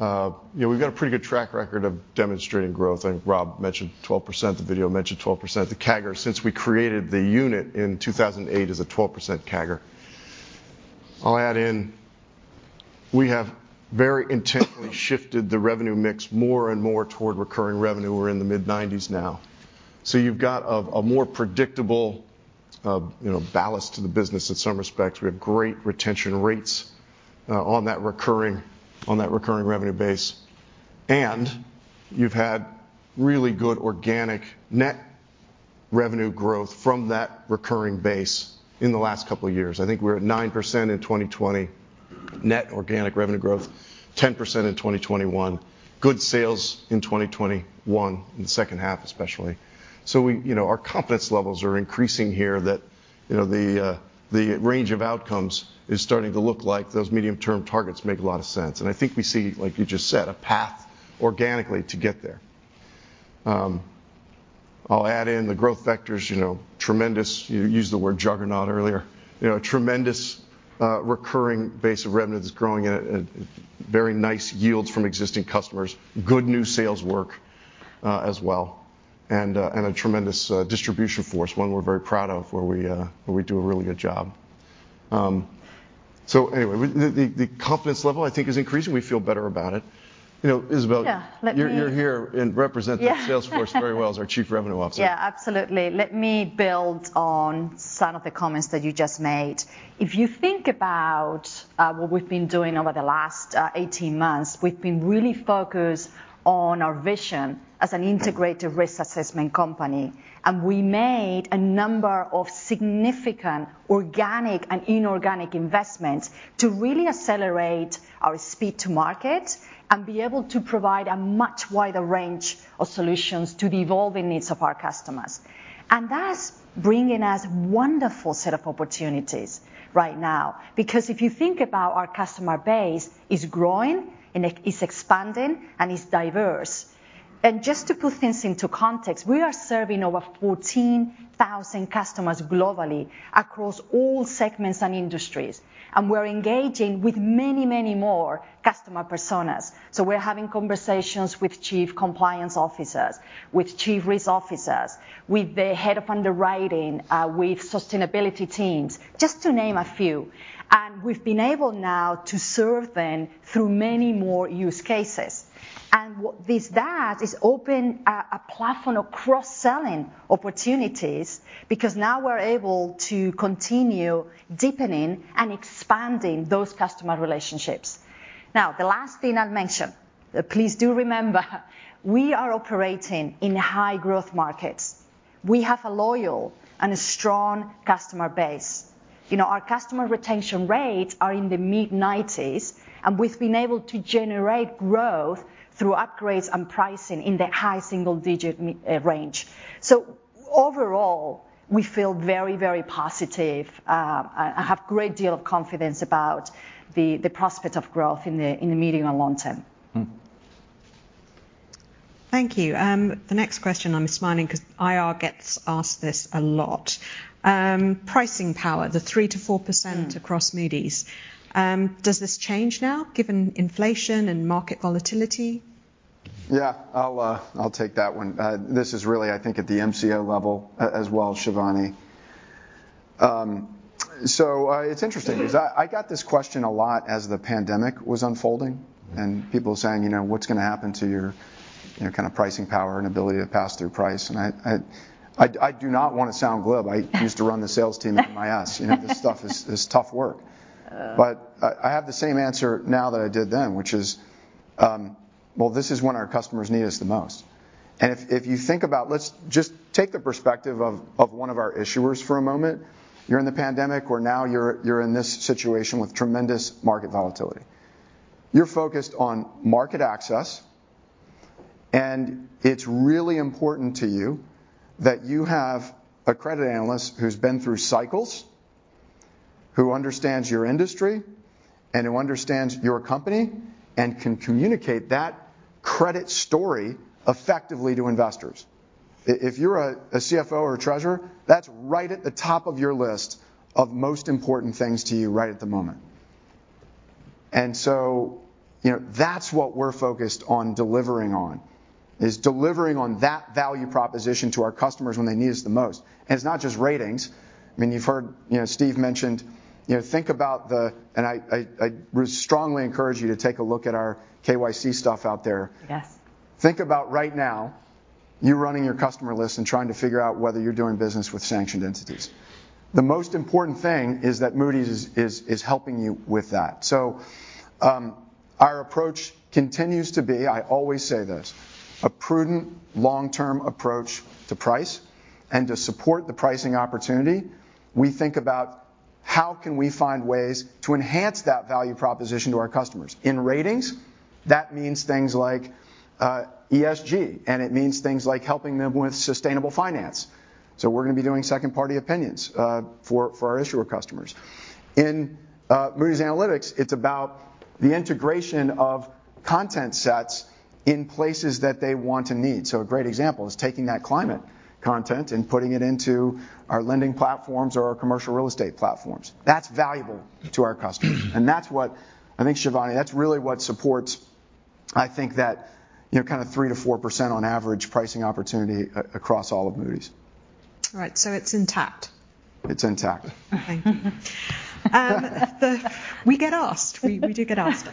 you know, we've got a pretty good track record of demonstrating growth. I think Rob mentioned 12%, the video mentioned 12%. The CAGR since we created the unit in 2008 is a 12% CAGR. I'll add in, we have very intentionally shifted the revenue mix more and more toward recurring revenue. We're in the mid-90s now. You've got a more predictable, you know, ballast to the business in some respects. We have great retention rates on that recurring revenue base. You've had really good organic net revenue growth from that recurring base in the last couple of years. I think we're at 9% in 2020 net organic revenue growth, 10% in 2021, good sales in 2021, in the H2 especially. We, you know, our confidence levels are increasing here that, you know, the range of outcomes is starting to look like those medium-term targets make a lot of sense. I think we see, like you just said, a path organically to get there. I'll add in the growth vectors, you know, tremendous, you used the word juggernaut earlier. You know, tremendous, recurring base of revenue that's growing at very nice yields from existing customers, good new sales work, as well, and a tremendous distribution force, one we're very proud of, where we do a really good job. Anyway, the confidence level I think is increasing. We feel better about it. You know, Isabel. Yeah. You're here and represent... Yeah. The sales force very well as our Chief Revenue Officer. Yeah, absolutely. Let me build on some of the comments that you just made. If you think about what we've been doing over the last 18 months, we've been really focused on our vision as an integrated risk assessment company. We made a number of significant organic and inorganic investments to really accelerate our speed to market and be able to provide a much wider range of solutions to the evolving needs of our customers. That's bringing us wonderful set of opportunities right now because if you think about our customer base is growing and it is expanding and is diverse. Just to put things into context, we are serving over 14,000 customers globally across all segments and industries, and we're engaging with many, many more customer personas. We're having conversations with chief compliance officers, with chief risk officers, with the head of underwriting, with sustainability teams, just to name a few. We've been able now to serve them through many more use cases. What this does is open a platform of cross-selling opportunities because now we're able to continue deepening and expanding those customer relationships. Now, the last thing I'll mention, please do remember, we are operating in high growth markets. We have a loyal and a strong customer base. You know, our customer retention rates are in the mid-90s, and we've been able to generate growth through upgrades and pricing in the high single-digit range. Overall, we feel very, very positive and have a great deal of confidence about the prospect of growth in the medium and long term. Mm. Thank you. The next question, I'm smiling 'cause IR gets asked this a lot. Pricing power, the 3%-4%... Mm. Across Moody's. Does this change now given inflation and market volatility? Yeah. I'll take that one. This is really, I think, at the MCO level as well, Shivani. It's interesting because I got this question a lot as the pandemic was unfolding and people saying, you know, "What's gonna happen to your, you know, kind of pricing power and ability to pass through price?" I do not wanna sound glib. I used to run the sales team at MIS. You know, this stuff is tough work. Uh. I have the same answer now that I did then, which is, well, this is when our customers need us the most. If you think about, let's just take the perspective of one of our issuers for a moment. You're in the pandemic or now you're in this situation with tremendous market volatility. You're focused on market access, and it's really important to you that you have a credit analyst who's been through cycles, who understands your industry and who understands your company and can communicate that credit story effectively to investors. If you're a CFO or a treasurer, that's right at the top of your list of most important things to you right at the moment. You know, that's what we're focused on delivering on, is delivering on that value proposition to our customers when they need us the most. It's not just ratings. I mean, you've heard, you know, Steve mentioned, you know. I would strongly encourage you to take a look at our KYC stuff out there. Yes. Think about right now, you running your customer list and trying to figure out whether you're doing business with sanctioned entities. The most important thing is that Moody's is helping you with that. Our approach continues to be, I always say this, a prudent long-term approach to price and to support the pricing opportunity. We think about how can we find ways to enhance that value proposition to our customers. In ratings, that means things like ESG, and it means things like helping them with sustainable finance. We're gonna be doing second-party opinions for our issuer customers. In Moody's Analytics, it's about the integration of content sets in places that they want and need. A great example is taking that climate content and putting it into our lending platforms or our commercial real estate platforms. That's valuable to our customers. That's what, I think Shivani, that's really what supports, I think that, you know, kinda 3%-4% on average pricing opportunity across all of Moody's. Right. It's intact. It's intact. We do get asked.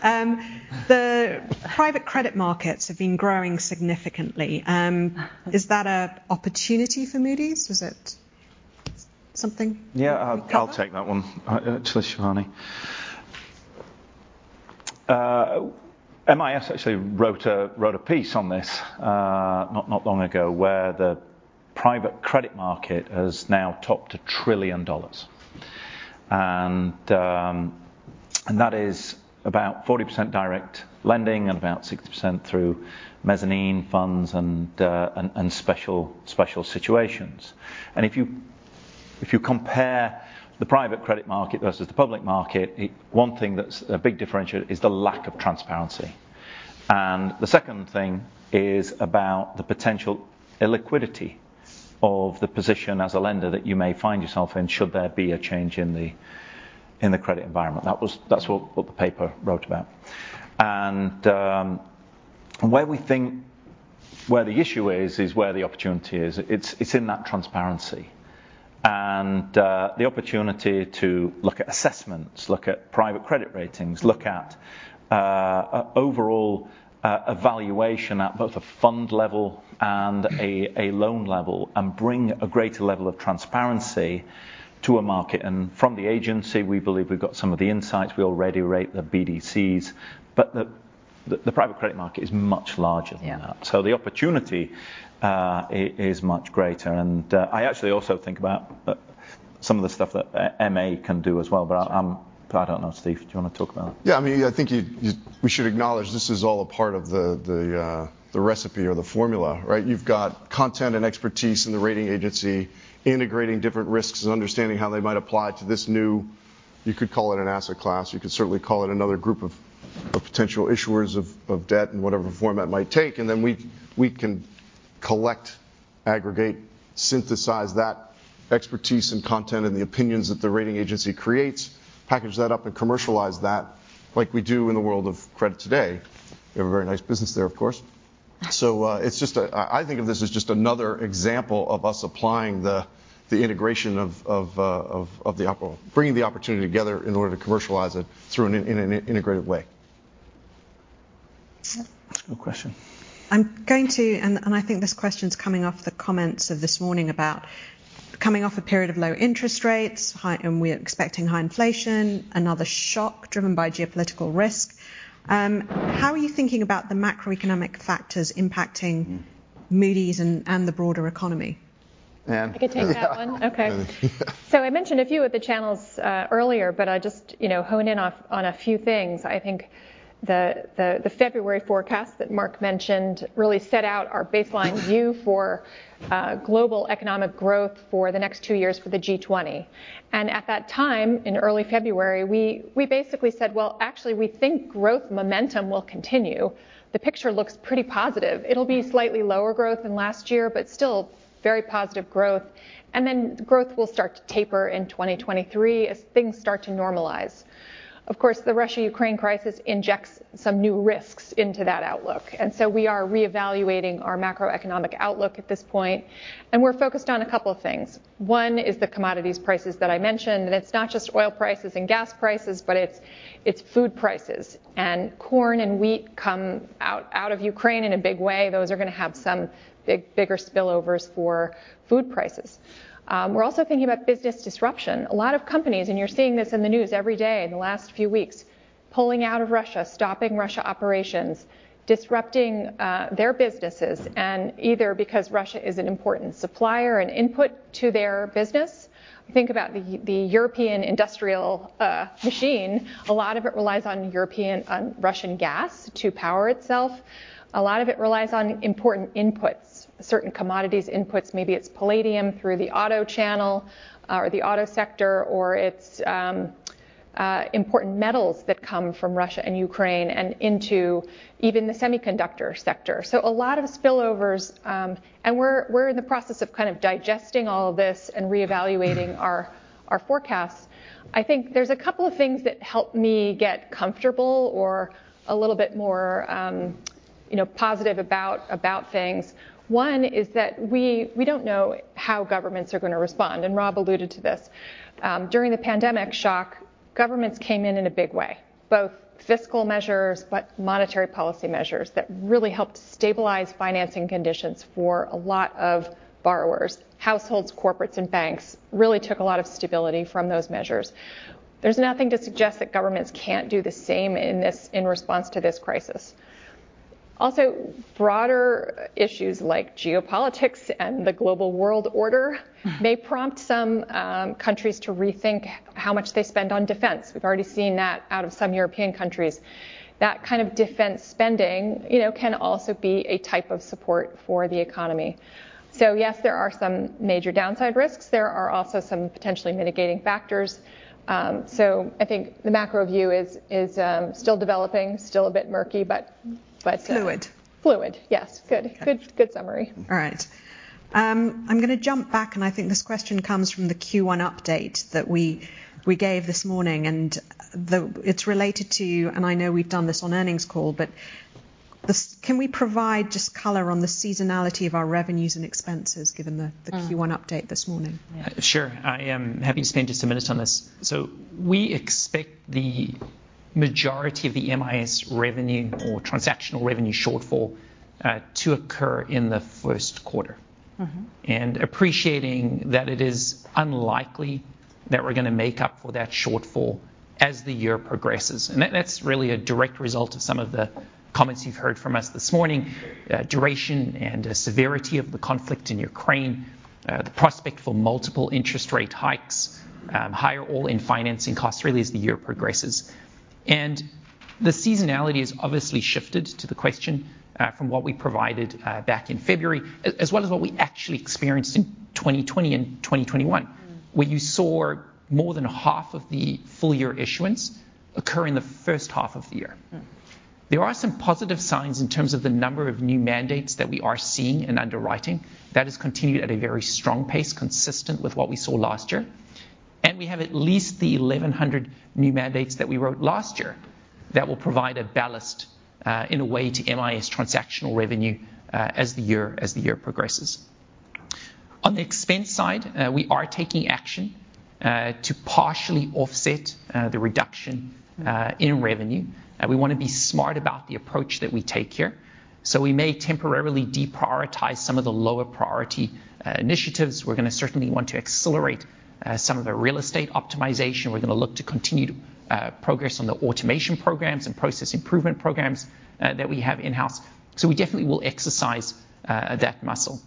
The private credit markets have been growing significantly. Is that an opportunity for Moody's? Is it something you cover? I'll take that one. To Shivani. MIS actually wrote a piece on this not long ago, where the private credit market has now topped $1 trillion. That is about 40% direct lending and about 60% through mezzanine funds and special situations. If you compare the private credit market versus the public market, one thing that's a big differentiator is the lack of transparency. The second thing is about the potential illiquidity of the position as a lender that you may find yourself in should there be a change in the credit environment. That's what the paper wrote about. Where we think the issue is where the opportunity is. It's in that transparency. The opportunity to look at assessments, look at private credit ratings, look at overall evaluation at both a fund level and a loan level, and bring a greater level of transparency to a market. From the agency, we believe we've got some of the insights. We already rate the BDCs. The private credit market is much larger than that. Yeah. The opportunity is much greater. I actually also think about some of the stuff that MA can do as well, but I don't know. Steve, do you wanna talk about it? Yeah. I mean, I think we should acknowledge this is all a part of the recipe or the formula, right? You've got content and expertise in the rating agency integrating different risks and understanding how they might apply to this new, you could call it an asset class. You could certainly call it another group of potential issuers of debt in whatever format it might take. Then we can collect, aggregate, synthesize that expertise and content and the opinions that the rating agency creates, package that up, and commercialize that like we do in the world of credit today. We have a very nice business there, of course. It's just a... I think of this as just another example of us applying the integration of bringing the opportunity together in order to commercialize it through an integrated way. Good question. I think this question's coming off the comments of this morning about coming off a period of low interest rates, high and we're expecting high inflation, another shock driven by geopolitical risk. How are you thinking about the macroeconomic factors impacting Moody's and the broader economy? Anne. I can take that one. Yeah. Okay. I mentioned a few of the channels earlier, but I just, you know, hone in on a few things. I think the February forecast that Mark mentioned really set out our baseline view for global economic growth for the next two years for the G20. At that time, in early February, we basically said, "Well, actually we think growth momentum will continue. The picture looks pretty positive. It'll be slightly lower growth than last year, but still very positive growth. And then growth will start to taper in 2023 as things start to normalize." Of course, the Russia-Ukraine crisis injects some new risks into that outlook. We are reevaluating our macroeconomic outlook at this point, and we're focused on a couple of things. One is the commodities prices that I mentioned, and it's not just oil prices and gas prices, but it's food prices. Corn and wheat come out of Ukraine in a big way. Those are gonna have some bigger spillovers for food prices. We're also thinking about business disruption. A lot of companies, and you're seeing this in the news every day in the last few weeks, pulling out of Russia, stopping Russia operations, disrupting their businesses, and either because Russia is an important supplier and input to their business. Think about the European industrial machine. A lot of it relies on European Russian gas to power itself. A lot of it relies on important inputs, certain commodities inputs. Maybe it's palladium through the auto channel, or the auto sector, or it's important metals that come from Russia and Ukraine and into even the semiconductor sector. A lot of spillovers, and we're in the process of kind of digesting all of this and reevaluating our forecasts. I think there's a couple of things that help me get comfortable or a little bit more, you know, positive about things. One is that we don't know how governments are gonna respond, and Rob alluded to this. During the pandemic shock. Governments came in in a big way, both fiscal measures but monetary policy measures that really helped stabilize financing conditions for a lot of borrowers. Households, corporates, and banks really took a lot of stability from those measures. There's nothing to suggest that governments can't do the same in response to this crisis. Also, broader issues like geopolitics and the global world order may prompt some countries to rethink how much they spend on defense. We've already seen that out of some European countries. That kind of defense spending, you know, can also be a type of support for the economy. Yes, there are some major downside risks. There are also some potentially mitigating factors. I think the macro view is still developing, still a bit murky, but... Fluid. Fluid, yes. Good summary. All right. I'm gonna jump back, and I think this question comes from the Q1 update that we gave this morning, and it's related to, and I know we've done this on earnings call, but can we provide just color on the seasonality of our revenues and expenses given the Q1 update this morning? Sure. I am happy to spend just a minute on this. We expect the majority of the MIS revenue or transactional revenue shortfall to occur in the Q1. Mm-hmm. Appreciating that it is unlikely that we're gonna make up for that shortfall as the year progresses. That's really a direct result of some of the comments you've heard from us this morning, duration and the severity of the conflict in Ukraine, the prospect for multiple interest rate hikes, higher all-in financing costs really as the year progresses. The seasonality has obviously shifted. To the question from what we provided back in February as well as what we actually experienced in 2020 and 2021, where you saw more than half of the FY issuance occur in the H1 of the year. Mm. There are some positive signs in terms of the number of new mandates that we are seeing in underwriting. That has continued at a very strong pace consistent with what we saw last year. We have at least the 1,100 new mandates that we wrote last year that will provide a ballast in a way to MIS transactional revenue as the year progresses. On the expense side, we are taking action to partially offset the reduction in revenue. We wanna be smart about the approach that we take here, so we may temporarily deprioritize some of the lower priority initiatives. We're gonna certainly want to accelerate some of the real estate optimization. We're gonna look to continue to progress on the automation programs and process improvement programs that we have in-house. We definitely will exercise that muscle.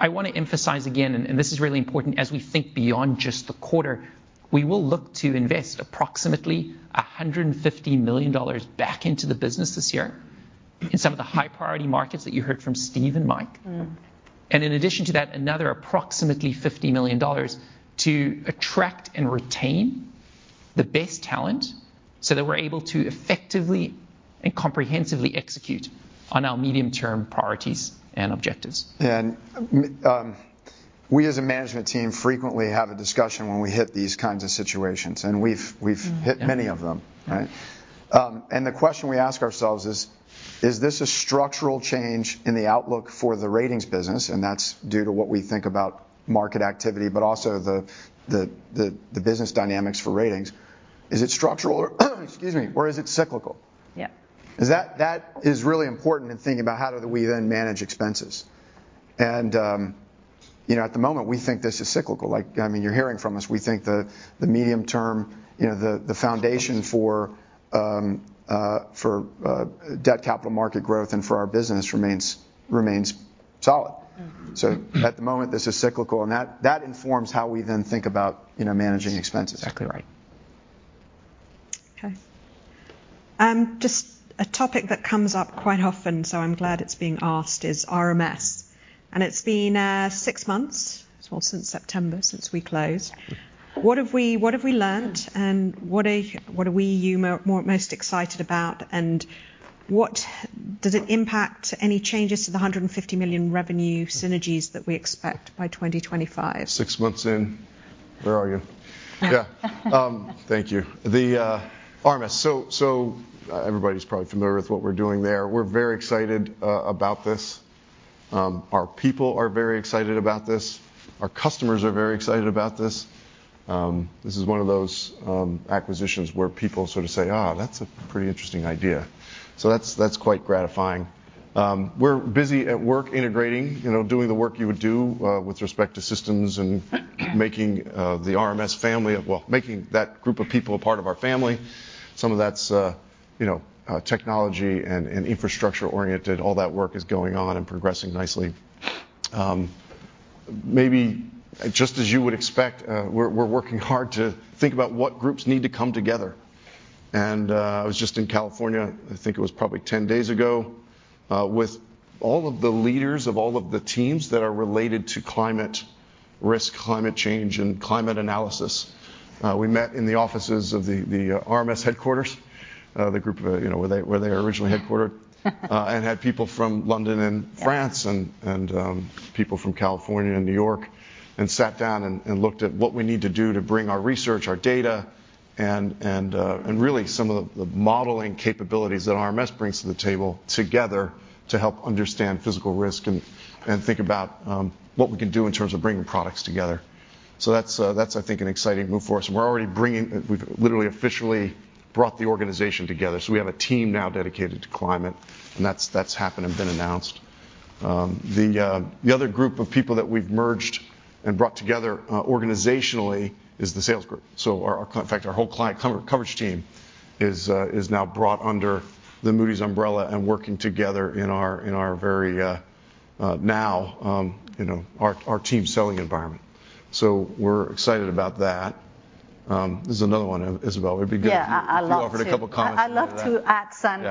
I wanna emphasize again, and this is really important as we think beyond just the quarter, we will look to invest approximately $150 million back into the business this year in some of the high priority markets that you heard from Steve and Mike. Mm. In addition to that, another approximately $50 million to attract and retain the best talent so that we're able to effectively and comprehensively execute on our medium-term priorities and objectives. We as a management team frequently have a discussion when we hit these kinds of situations, and we've hit many of them, right? The question we ask ourselves is, "Is this a structural change in the outlook for the ratings business?" That's due to what we think about market activity, but also the business dynamics for ratings. Is it structural or, excuse me, or is it cyclical? Yeah. That is really important in thinking about how do we then manage expenses. You know, at the moment, we think this is cyclical. Like, I mean, you're hearing from us, we think the medium term, you know, the foundation for debt capital market growth and for our business remains solid. Mm. At the moment, this is cyclical, and that informs how we then think about, you know, managing expenses. Exactly right. Okay. Just a topic that comes up quite often, so I'm glad it's being asked, is RMS. It's been six months, well, since September, since we closed. What have we learnt, and what are you most excited about? What does it impact any changes to the $150 million revenue synergies that we expect by 2025? Six months in, where are you? Yeah. Thank you. The RMS. Everybody's probably familiar with what we're doing there. We're very excited about this. Our people are very excited about this. Our customers are very excited about this. This is one of those acquisitions where people sort of say, "that's a pretty interesting idea." So that's quite gratifying. We're busy at work integrating, you know, doing the work you would do with respect to systems and making the RMS family, well, making that group of people a part of our family. Some of that's you know, technology and infrastructure oriented. All that work is going on and progressing nicely. Maybe just as you would expect, we're working hard to think about what groups need to come together. I was just in California, I think it was probably 10 days ago, with all of the leaders of all of the teams that are related to climate risk, climate change, and climate analysis. We met in the offices of the RMS headquarters, the group where they were originally headquartered, and had people from London and France, people from California and New York, and sat down and looked at what we need to do to bring our research, our data, and really some of the modeling capabilities that RMS brings to the table together to help understand physical risk and think about what we can do in terms of bringing products together. That's I think an exciting move for us, and we're already bringing... We've literally officially brought the organization together. We have a team now dedicated to climate, and that's happened and been announced. The other group of people that we've merged and brought together organizationally is the sales group. In fact, our whole client coverage team is now brought under the Moody's umbrella and working together in our very new, you know, our team selling environment. We're excited about that. There's another one, Isabel, it'd be good- Yeah. I'd love to- If you offered a couple comments on that. I'd love to add some-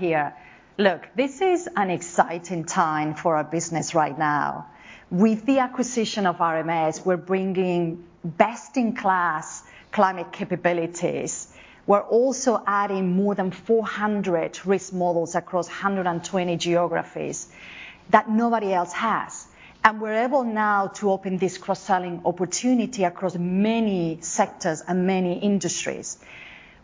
Yeah. Look, this is an exciting time for our business right now. With the acquisition of RMS, we're bringing best-in-class climate capabilities. We're also adding more than 400 risk models across 120 geographies that nobody else has. We're able now to open this cross-selling opportunity across many sectors and many industries.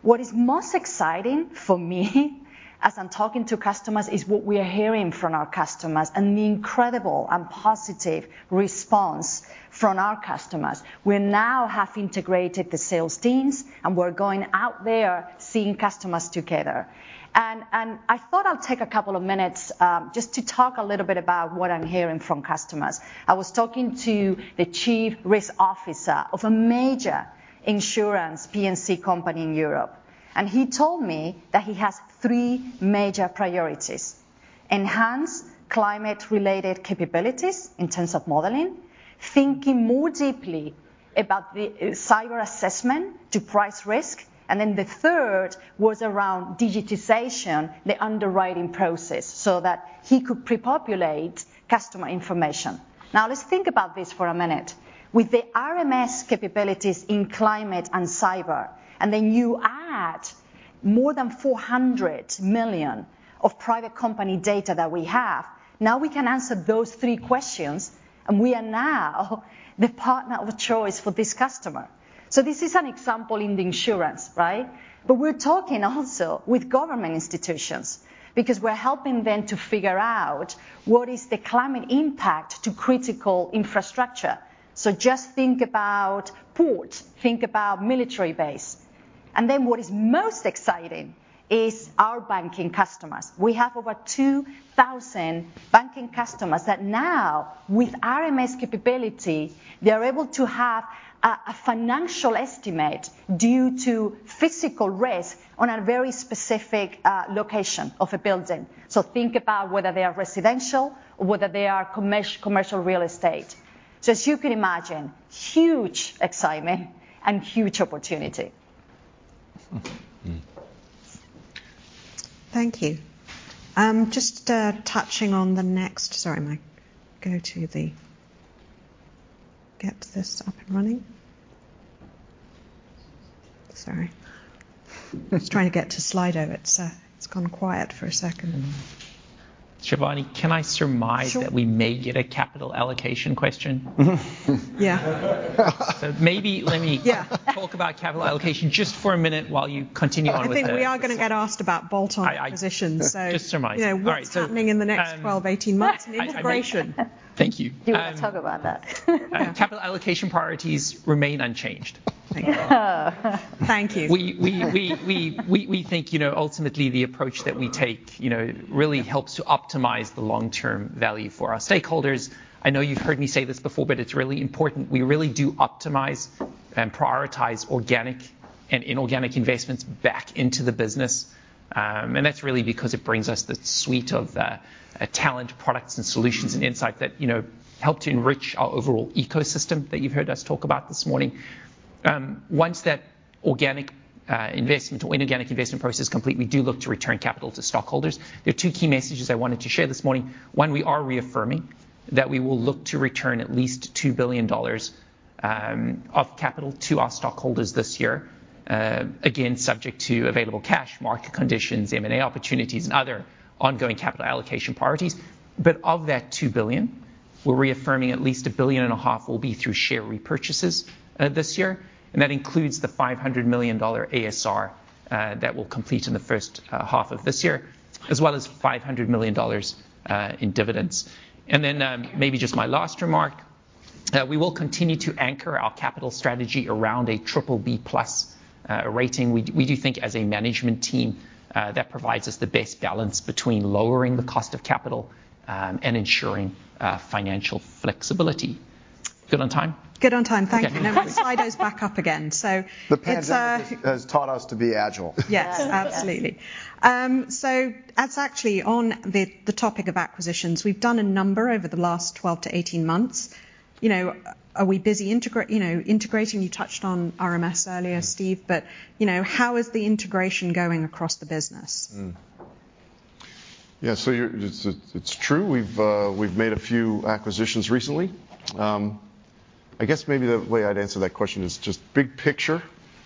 What is most exciting for me as I'm talking to customers is what we are hearing from our customers and the incredible and positive response from our customers. We now have integrated the sales teams, and we're going out there seeing customers together. I thought I'd take a couple of minutes just to talk a little bit about what I'm hearing from customers. I was talking to the Chief Risk Officer of a major insurance P&C company in Europe, and he told me that he has three major priorities, enhance climate-related capabilities in terms of modeling, thinking more deeply about the cyber assessment to price risk, and then the third was around digitization, the underwriting process, so that he could pre-populate customer information. Let's think about this for a minute. With the RMS capabilities in climate and cyber, and then you add more than 400 million of private company data that we have, now we can answer those three questions, and we are now the partner of choice for this customer. This is an example in the insurance, right? We're talking also with government institutions because we're helping them to figure out what is the climate impact to critical infrastructure. Just think about ports, think about military base. What is most exciting is our banking customers. We have over 2,000 banking customers that now, with RMS capability, they are able to have a financial estimate due to physical risk on a very specific location of a building. Think about whether they are residential or whether they are commercial real estate. As you can imagine, huge excitement and huge opportunity. Mm. Thank you. Sorry. Get this up and running. Sorry. Just trying to get to Slido. It's gone quiet for a second. Mm. Shivani, can I surmise? Sure. That we may get a capital allocation question? Mm-hmm. Yeah. So maybe let me- Yeah. Talk about capital allocation just for a minute while you continue on with the... I think we are gonna get asked about bolt-on acquisitions. I... So- Just surmise. You know, what's happening in the next 12-18 months in integration. Thank you. You wanna talk about that. Capital allocation priorities remain unchanged. Thank you. Thank you. We think, you know, ultimately the approach that we take, you know, really helps to optimize the long-term value for our stakeholders. I know you've heard me say this before, but it's really important. We really do optimize and prioritize organic and inorganic investments back into the business. That's really because it brings us the suite of talent, products and solutions and insight that, you know, help to enrich our overall ecosystem that you've heard us talk about this morning. Once that organic investment or inorganic investment process is complete, we do look to return capital to stockholders. There are two key messages I wanted to share this morning. One, we are reaffirming that we will look to return at least $2 billion of capital to our stockholders this year. Again, subject to available cash, market conditions, M&A opportunities and other ongoing capital allocation priorities. Of that $2 billion, we're reaffirming at least $1.5 billion will be through share repurchases this year. That includes the $500 million ASR that will complete in the H1 of this year, as well as $500 million in dividends. Maybe just my last remark, we will continue to anchor our capital strategy around a BBB+ rating. We do think as a management team that provides us the best balance between lowering the cost of capital and ensuring financial flexibility. Good on time? Good on time. Thank you. Okay. Now Slido's back up again. It's... The pandemic has taught us to be agile. Yes, absolutely. That's actually on the topic of acquisitions. We've done a number over the last 12-18 months. Are we busy integrating? You touched on RMS earlier, Steve. How is the integration going across the business? It's true, we've made a few acquisitions recently. I guess maybe the way I'd answer that question is just big picture.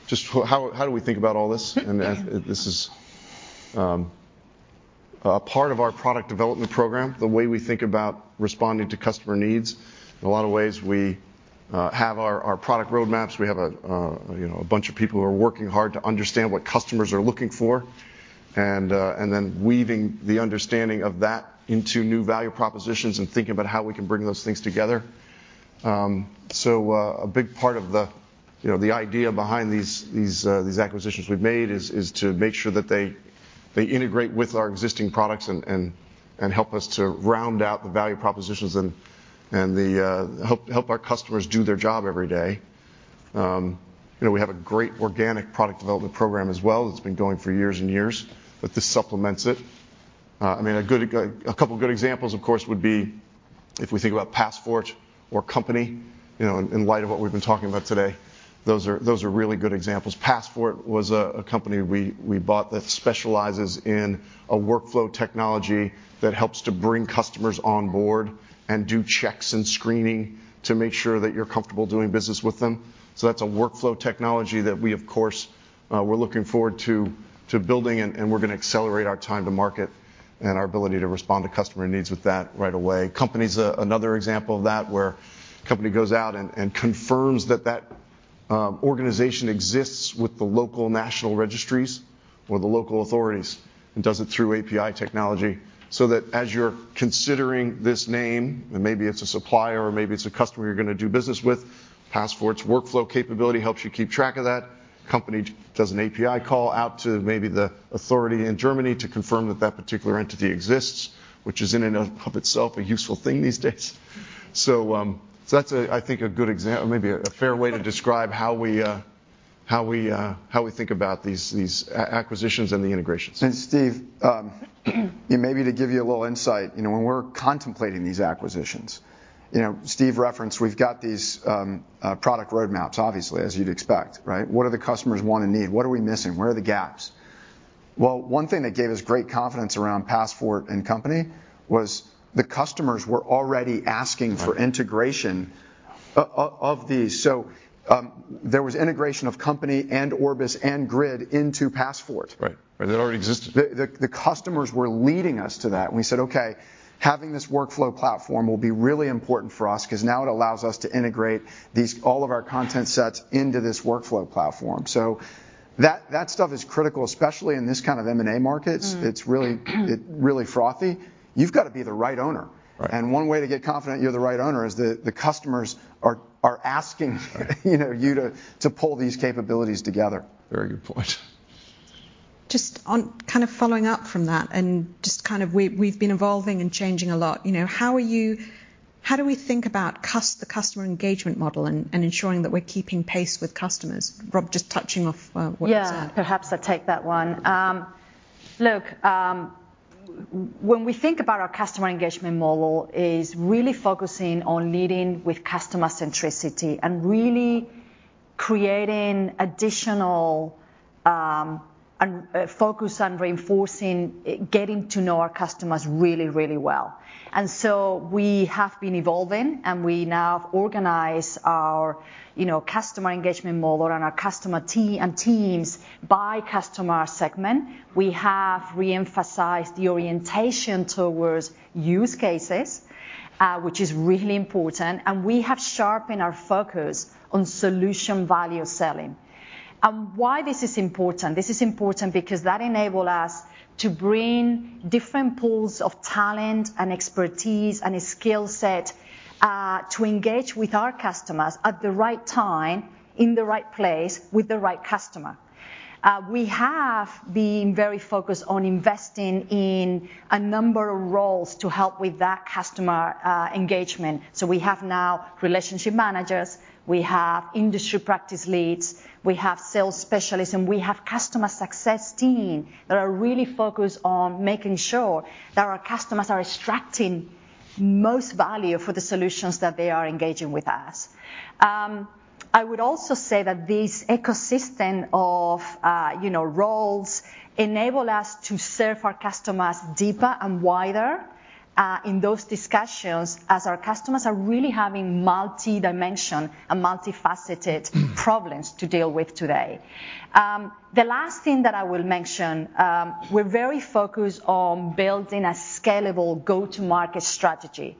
Just how do we think about all this? This is a part of our product development program, the way we think about responding to customer needs. In a lot of ways, we have our product roadmaps. We have, you know, a bunch of people who are working hard to understand what customers are looking for and then weaving the understanding of that into new value propositions and thinking about how we can bring those things together. A big part of the idea behind these acquisitions we've made is to make sure that they integrate with our existing products and help us to round out the value propositions and the help our customers do their job every day. You know, we have a great organic product development program as well that's been going for years and years, but this supplements it. I mean, a couple good examples, of course, would be if we think about PassFort or Kompany, you know, in light of what we've been talking about today, those are really good examples. PassFort was a company we bought that specializes in a workflow technology that helps to bring customers on board and do checks and screening to make sure that you're comfortable doing business with them. That's a workflow technology that we of course we're looking forward to building and we're gonna accelerate our time to market and our ability to respond to customer needs with that right away. Kompany's another example of that, where Kompany goes out and confirms that organization exists with the local national registries or the local authorities and does it through API technology so that as you're considering this name, and maybe it's a supplier or maybe it's a customer you're gonna do business with, PassFort's workflow capability helps you keep track of that. Kompany does an API call out to maybe the authority in Germany to confirm that that particular entity exists, which is in and of itself a useful thing these days. I think that's maybe a fair way to describe how we think about these acquisitions and the integrations. Steve, maybe to give you a little insight, you know, when we're contemplating these acquisitions, you know, Steve referenced we've got these product roadmaps, obviously, as you'd expect, right? What do the customers want and need? What are we missing? Where are the gaps? Well, one thing that gave us great confidence around PassFort and Kompany was the customers were already asking- Right. For integration of these. There was integration of Kompany and Orbis and Grid into PassFort. Right. That already existed. The customers were leading us to that, and we said, "Okay, having this workflow platform will be really important for us 'cause now it allows us to integrate all of our content sets into this workflow platform." That stuff is critical, especially in this kind of M&A markets. Mm. It's really, really frothy. You've gotta be the right owner. Right. One way to get confident you're the right owner is the customers are asking- Right. You know, you too, to pull these capabilities together. Very good point. Just on kind of following up from that and just kind of we've been evolving and changing a lot, you know, how do we think about the customer engagement model and ensuring that we're keeping pace with customers? Rob, just touching on what Isabel... Yeah. Perhaps I'll take that one. Look, when we think about our customer engagement model is really focusing on leading with customer centricity and really creating additional and focus on reinforcing, getting to know our customers really well. We have been evolving, and we now organize our customer engagement model and our customer teams by customer segment. We have re-emphasized the orientation towards use cases, which is really important, and we have sharpened our focus on solution value selling. Why this is important because that enable us to bring different pools of talent and expertise and skill set to engage with our customers at the right time, in the right place with the right customer. We have been very focused on investing in a number of roles to help with that customer engagement. We have now relationship managers, we have industry practice leads, we have sales specialists, and we have customer success team that are really focused on making sure that our customers are extracting most value for the solutions that they are engaging with us. I would also say that this ecosystem of roles enable us to serve our customers deeper and wider in those discussions as our customers are really having multi-dimension and multifaceted problems to deal with today. The last thing that I will mention, we're very focused on building a scalable go-to-market strategy.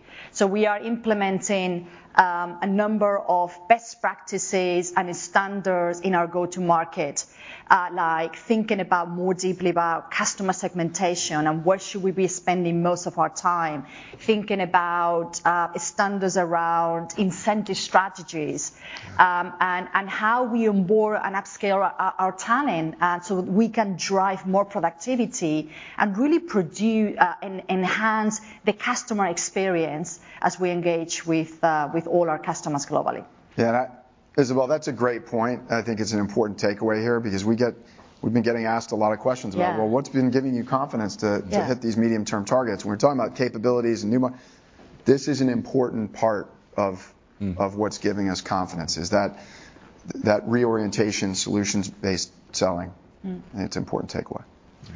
We are implementing a number of best practices and standards in our go-to-market, like thinking more deeply about customer segmentation and where we should be spending most of our time. Thinking about standards around incentive strategies, and how we onboard and upskill our talent, so we can drive more productivity and really enhance the customer experience as we engage with all our customers globally. Yeah. Isabel, that's a great point, and I think it's an important takeaway here because we've been getting asked a lot of questions about... Yeah. Well, what's been giving you confidence to Yeah. To hit these medium-term targets? When we're talking about capabilities and new mar. This is an important part of... Mm. Of what's giving us confidence is that reorientation, solutions-based selling. Mm. It's an important takeaway. Yeah.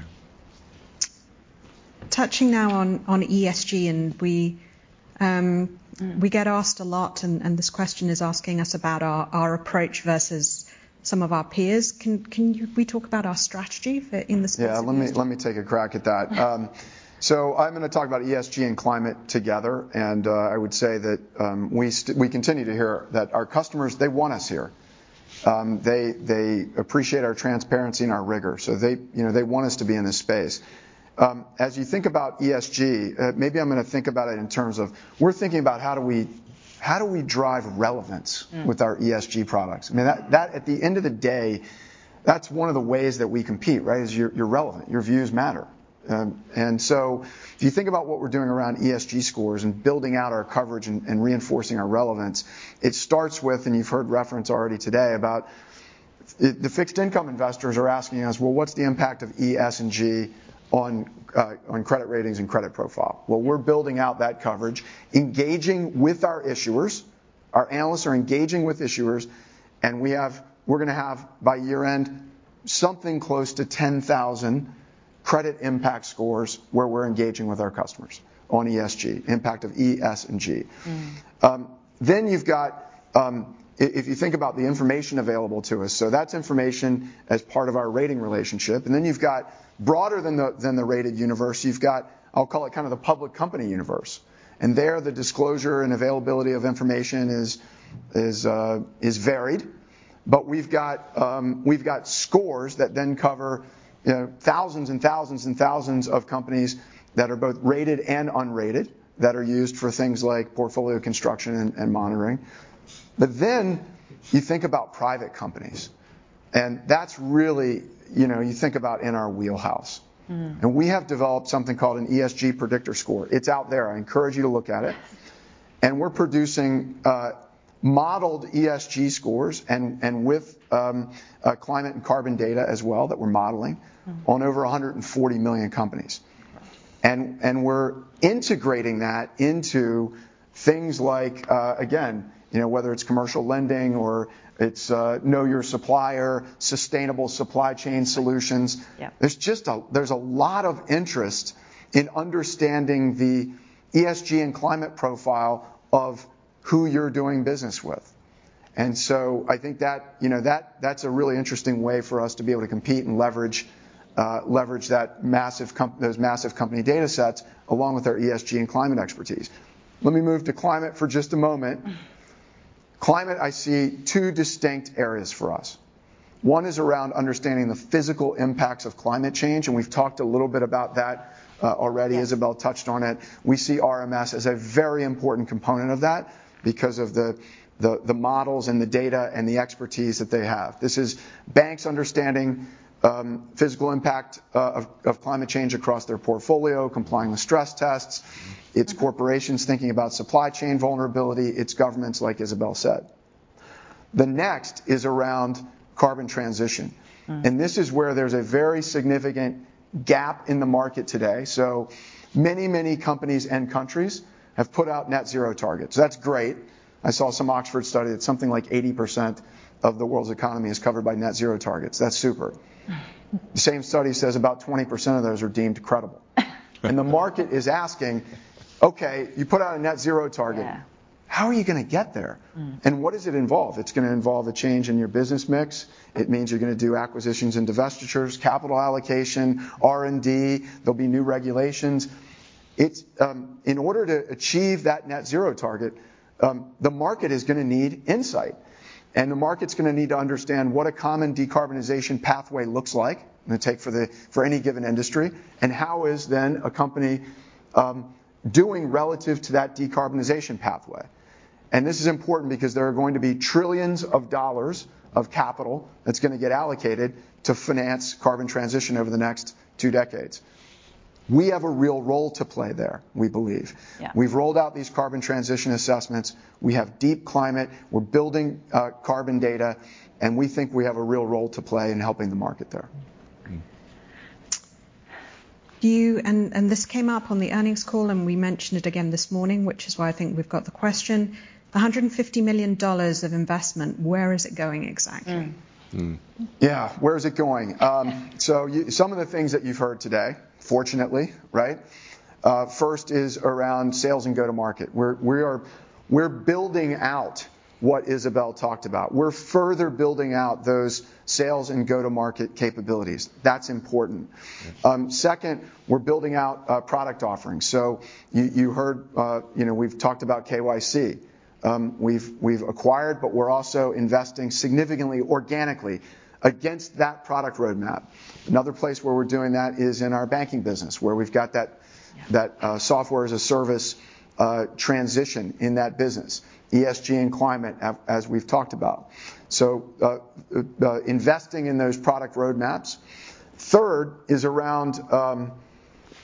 Touching now on ESG, we get asked a lot, and this question is asking us about our approach versus some of our peers. We talk about our strategy in the space of ESG. Yeah. Let me take a crack at that. I'm gonna talk about ESG and climate together, and I would say that we continue to hear that our customers, they want us here. They appreciate our transparency and our rigor, so they, you know, they want us to be in this space. As you think about ESG, maybe I'm gonna think about it in terms of we're thinking about how do we drive relevance. Mm. With our ESG products? I mean, that at the end of the day, that's one of the ways that we compete, right? You're relevant. Your views matter. And so if you think about what we're doing around ESG scores and building out our coverage and reinforcing our relevance, it starts with. You've heard reference already today about the fixed income investors are asking us, "Well, what's the impact of E, S, and G on credit ratings and credit profile?" Well, we're building out that coverage, engaging with our issuers. Our analysts are engaging with issuers, and we're gonna have, by year end, something close to 10,000 ESG Credit Impact Scores where we're engaging with our customers on ESG, impact of E, S, and G. Mm. If you think about the information available to us, so that's information as part of our rating relationship. You've got broader than the rated universe. You've got, I'll call it kind of the public company universe, and there the disclosure and availability of information is varied. We've got scores that then cover, you know, thousands and thousands and thousands of companies that are both rated and unrated that are used for things like portfolio construction and monitoring. You think about private companies, and that's really, you know, you think about in our wheelhouse. Mm. We have developed something called an ESG Predictor Score. It's out there. I encourage you to look at it. We're producing modeled ESG scores and with climate and carbon data as well that we're modeling. Mm. On over 140 million companies. We're integrating that into things like, again, you know, whether it's commercial lending or it's know your supplier, sustainable supply chain solutions. Yeah. There's a lot of interest in understanding the ESG and climate profile of who you're doing business with. I think that, you know, that's a really interesting way for us to be able to compete and leverage those massive company data sets along with our ESG and climate expertise. Let me move to climate for just a moment. Mm. Climate, I see two distinct areas for us. One is around understanding the physical impacts of climate change, and we've talked a little bit about that already. Yeah. Isabel touched on it. We see RMS as a very important component of that because of the models and the data and the expertise that they have. This is banks understanding physical impact of climate change across their portfolio, complying with stress tests. It's corporations thinking about supply chain vulnerability. It's governments, like Isabel said. The next is around carbon transition. Mm. This is where there's a very significant gap in the market today. Many, many companies and countries have put out net zero targets. That's great. I saw some Oxford study that something like 80% of the world's economy is covered by net zero targets. That's super. The same study says about 20% of those are deemed credible. The market is asking, "Okay, you put out a net zero target... Yeah. How are you gonna get there? Mm. What does it involve?" It's gonna involve a change in your business mix. It means you're gonna do acquisitions and divestitures, capital allocation, R&D. There'll be new regulations. It's in order to achieve that net zero target, the market is gonna need insight, and the market's gonna need to understand what a common decarbonization pathway looks like for any given industry, and how is then a company doing relative to that decarbonization pathway. This is important because there are going to be trillions of dollars of capital that's gonna get allocated to finance carbon transition over the next two decades. We have a real role to play there, we believe. Yeah. We've rolled out these Carbon Transition Assessments. We have deep climate. We're building carbon data, and we think we have a real role to play in helping the market there. This came up on the earnings call, and we mentioned it again this morning, which is why I think we've got the question. The $150 million of investment, where is it going exactly? Mm. Mm. Yeah. Where is it going? Some of the things that you've heard today, fortunately, right? First is around sales and go-to-market. We're building out what Isabel talked about. We're further building out those sales and go-to-market capabilities. That's important. Second, we're building out product offerings. You heard, you know, we've talked about KYC. We've acquired, but we're also investing significantly organically against that product roadmap. Another place where we're doing that is in our banking business, where we've got that software-as-a-service transition in that business, ESG and climate as we've talked about, so investing in those product roadmaps. Third is around, I'm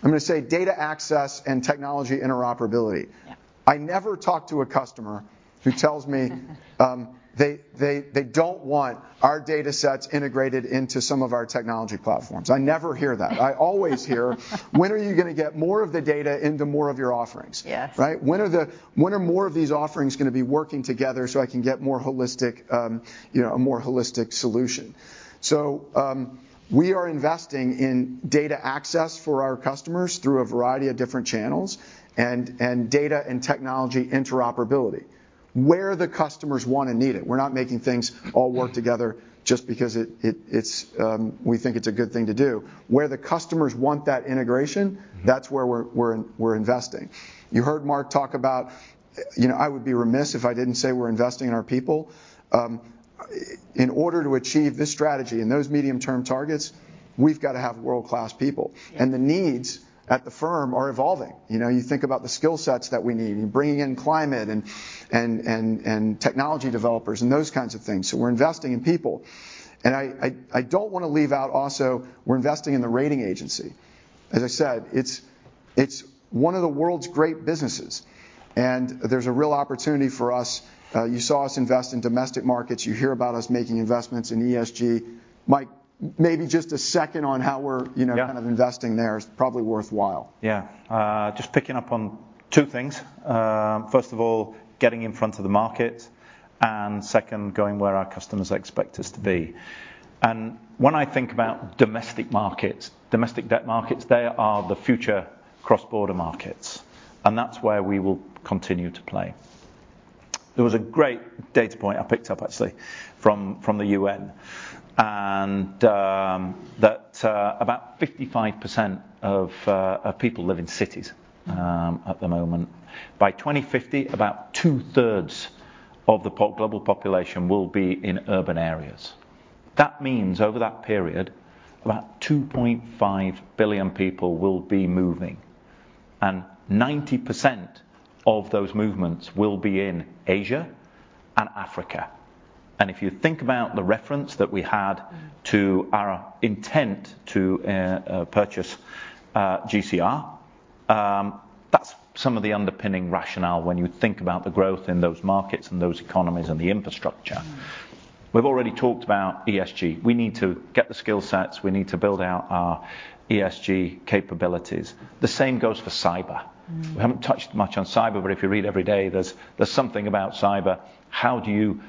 gonna say data access and technology interoperability. Yeah. I never talk to a customer who tells me they don't want our datasets integrated into some of our technology platforms. I never hear that. I always hear, "When are you gonna get more of the data into more of your offerings? Yes. Right? "When are more of these offerings gonna be working together so I can get more holistic, you know, a more holistic solution?" We are investing in data access for our customers through a variety of different channels and data and technology interoperability where the customers want and need it. We're not making things all work together just because it's we think it's a good thing to do. Where the customers want that integration. That's where we're investing. You heard Mark talk about you know, I would be remiss if I didn't say we're investing in our people. In order to achieve this strategy and those medium-term targets, we've gotta have world-class people. Yeah. The needs at the firm are evolving. You know, you think about the skill sets that we need, you're bringing in climate and technology developers and those kinds of things, so we're investing in people. I don't wanna leave out also we're investing in the rating agency. As I said, it's one of the world's great businesses, and there's a real opportunity for us. You saw us invest in domestic markets. You hear about us making investments in ESG. Mike, maybe just a second on how we're, you know- Yeah Kind of investing there is probably worthwhile. Yeah. Just picking up on two things. First of all, getting in front of the market, and second, going where our customers expect us to be. When I think about domestic markets, domestic debt markets, they are the future cross-border markets, and that's where we will continue to play. There was a great data point I picked up, actually, from the UN, and that about 55% of people live in cities at the moment. By 2050, about two-thirds of the global population will be in urban areas. That means over that period, about 2.5 billion people will be moving, and 90% of those movements will be in Asia and Africa. If you think about the reference that we had to our intent to purchase GCR, that's some of the underpinning rationale when you think about the growth in those markets and those economies and the infrastructure. We've already talked about ESG. We need to get the skill sets. We need to build out our ESG capabilities. The same goes for cyber. Mm. We haven't touched much on cyber, but if you read every day, there's something about cyber. How do you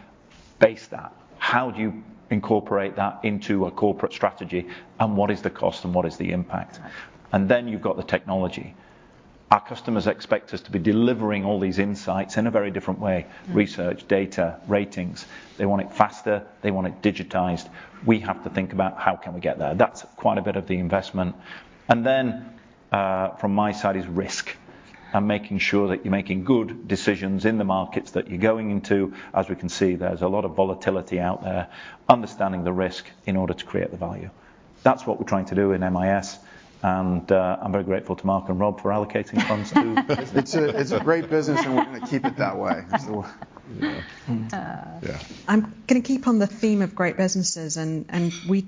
base that? How do you incorporate that into a corporate strategy, and what is the cost and what is the impact? You've got the technology. Our customers expect us to be delivering all these insights in a very different way, research, data, ratings. They want it faster. They want it digitized. We have to think about how can we get there. That's quite a bit of the investment. From my side is risk and making sure that you're making good decisions in the markets that you're going into. As we can see, there's a lot of volatility out there. Understanding the risk in order to create the value. That's what we're trying to do in MIS, and I'm very grateful to Mark and Rob for allocating funds to. It's a great business, and we're gonna keep it that way. Uh. Yeah. I'm gonna keep on the theme of great businesses and we,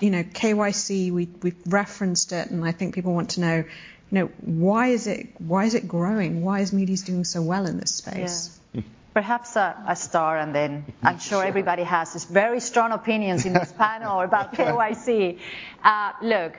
you know, KYC, we've referenced it, and I think people want to know, you know, why is it growing? Why is Moody's doing so well in this space? Yeah. Mm. Perhaps I start, and then. Sure. I'm sure everybody has these very strong opinions in this panel about KYC. Look,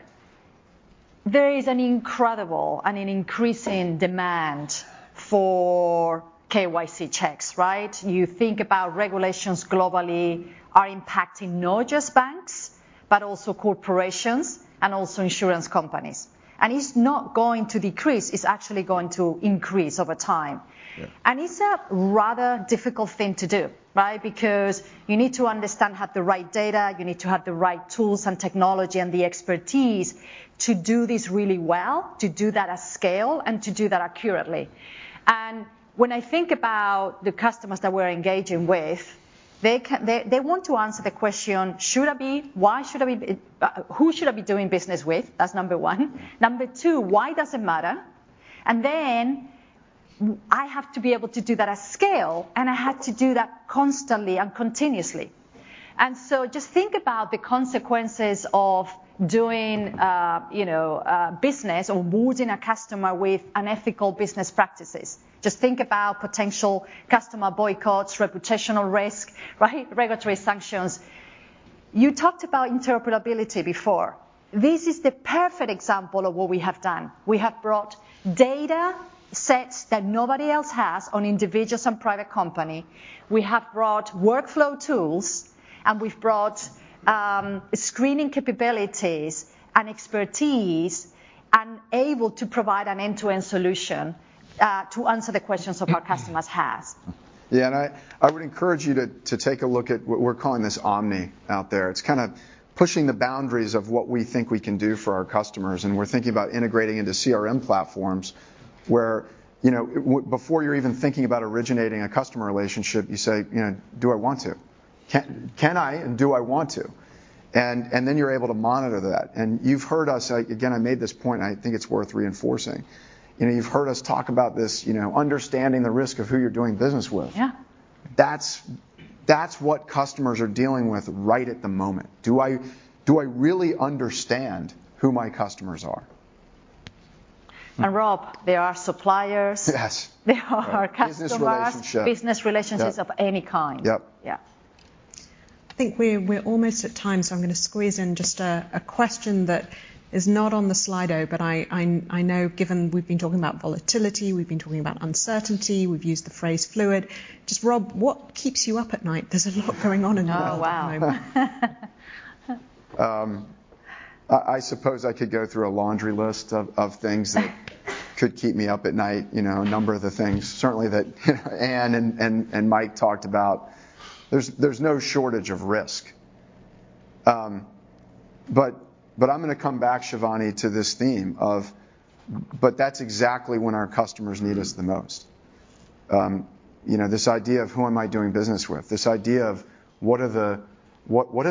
there is an incredible and an increasing demand for KYC checks, right? You think about regulations globally are impacting not just banks, but also corporations and also insurance companies. It's not going to decrease. It's actually going to increase over time. Yeah. It's a rather difficult thing to do, right? Because you need to understand, have the right data, you need to have the right tools and technology and the expertise to do this really well, to do that at scale, and to do that accurately. When I think about the customers that we're engaging with, they want to answer the question, Should I be? Why should I be? Who should I be doing business with? That's number one. Number two, Why does it matter? Then I have to be able to do that at scale, and I have to do that constantly and continuously. Just think about the consequences of doing business or boarding a customer with unethical business practices. Just think about potential customer boycotts, reputational risk, right? Regulatory sanctions. You talked about interpretability before. This is the perfect example of what we have done. We have brought datasets that nobody else has on individuals and private companies. We have brought workflow tools, and we've brought screening capabilities and expertise and able to provide an end-to-end solution to answer the questions of our customers have. Yeah. I would encourage you to take a look at what we're calling this Omni out there. It's kinda pushing the boundaries of what we think we can do for our customers, and we're thinking about integrating into CRM platforms where, you know, before you're even thinking about originating a customer relationship, you say, you know, "Do I want to? Can I, and do I want to?" And then you're able to monitor that. You've heard us again. I made this point, and I think it's worth reinforcing. You know, you've heard us talk about this, you know, understanding the risk of who you're doing business with. Yeah. That's what customers are dealing with right at the moment. Do I really understand who my customers are? Rob, they are suppliers. Yes. They are customers. Business relationships. Business relationships of any kind. Yep. Yeah. I think we're almost at time, so I'm gonna squeeze in just a question that is not on the Slido, but I know given we've been talking about volatility, we've been talking about uncertainty, we've used the phrase fluid. Just Rob, what keeps you up at night? There's a lot going on in the world at the moment. Oh, wow. I suppose I could go through a laundry list of things that could keep me up at night. You know, a number of the things certainly that you know, Anne and Mike talked about. There's no shortage of risk. I'm gonna come back, Shivani, to this theme of but that's exactly when our customers need us the most. You know, this idea of who am I doing business with, this idea of what are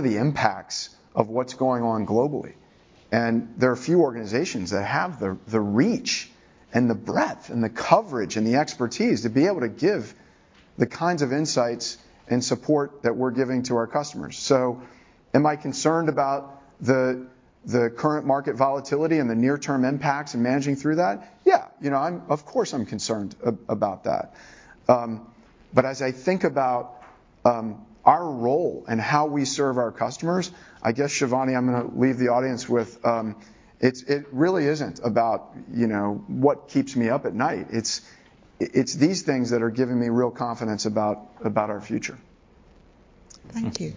the impacts of what's going on globally? And there are few organizations that have the reach and the breadth and the coverage and the expertise to be able to give the kinds of insights and support that we're giving to our customers. Am I concerned about the current market volatility and the near-term impacts and managing through that? Yeah. You know, of course, I'm concerned about that. As I think about our role and how we serve our customers, I guess, Shivani, I'm gonna leave the audience with it really isn't about, you know, what keeps me up at night. It's these things that are giving me real confidence about our future. Thank you.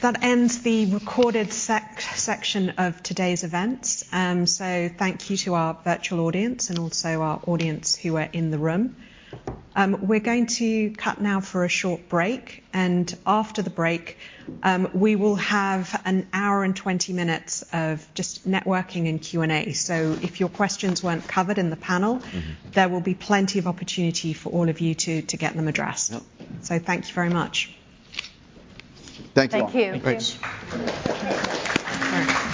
That ends the recorded section of today's events. Thank you to our virtual audience and also our audience who are in the room. We're going to cut now for a short break, and after the break, we will have 1 hour and 20 minutes of just networking and Q&A. If your questions weren't covered in the panel... Mm-hmm There will be plenty of opportunity for all of you to get them addressed. Yep. Thank you very much. Thank you all. Thank you. Thanks.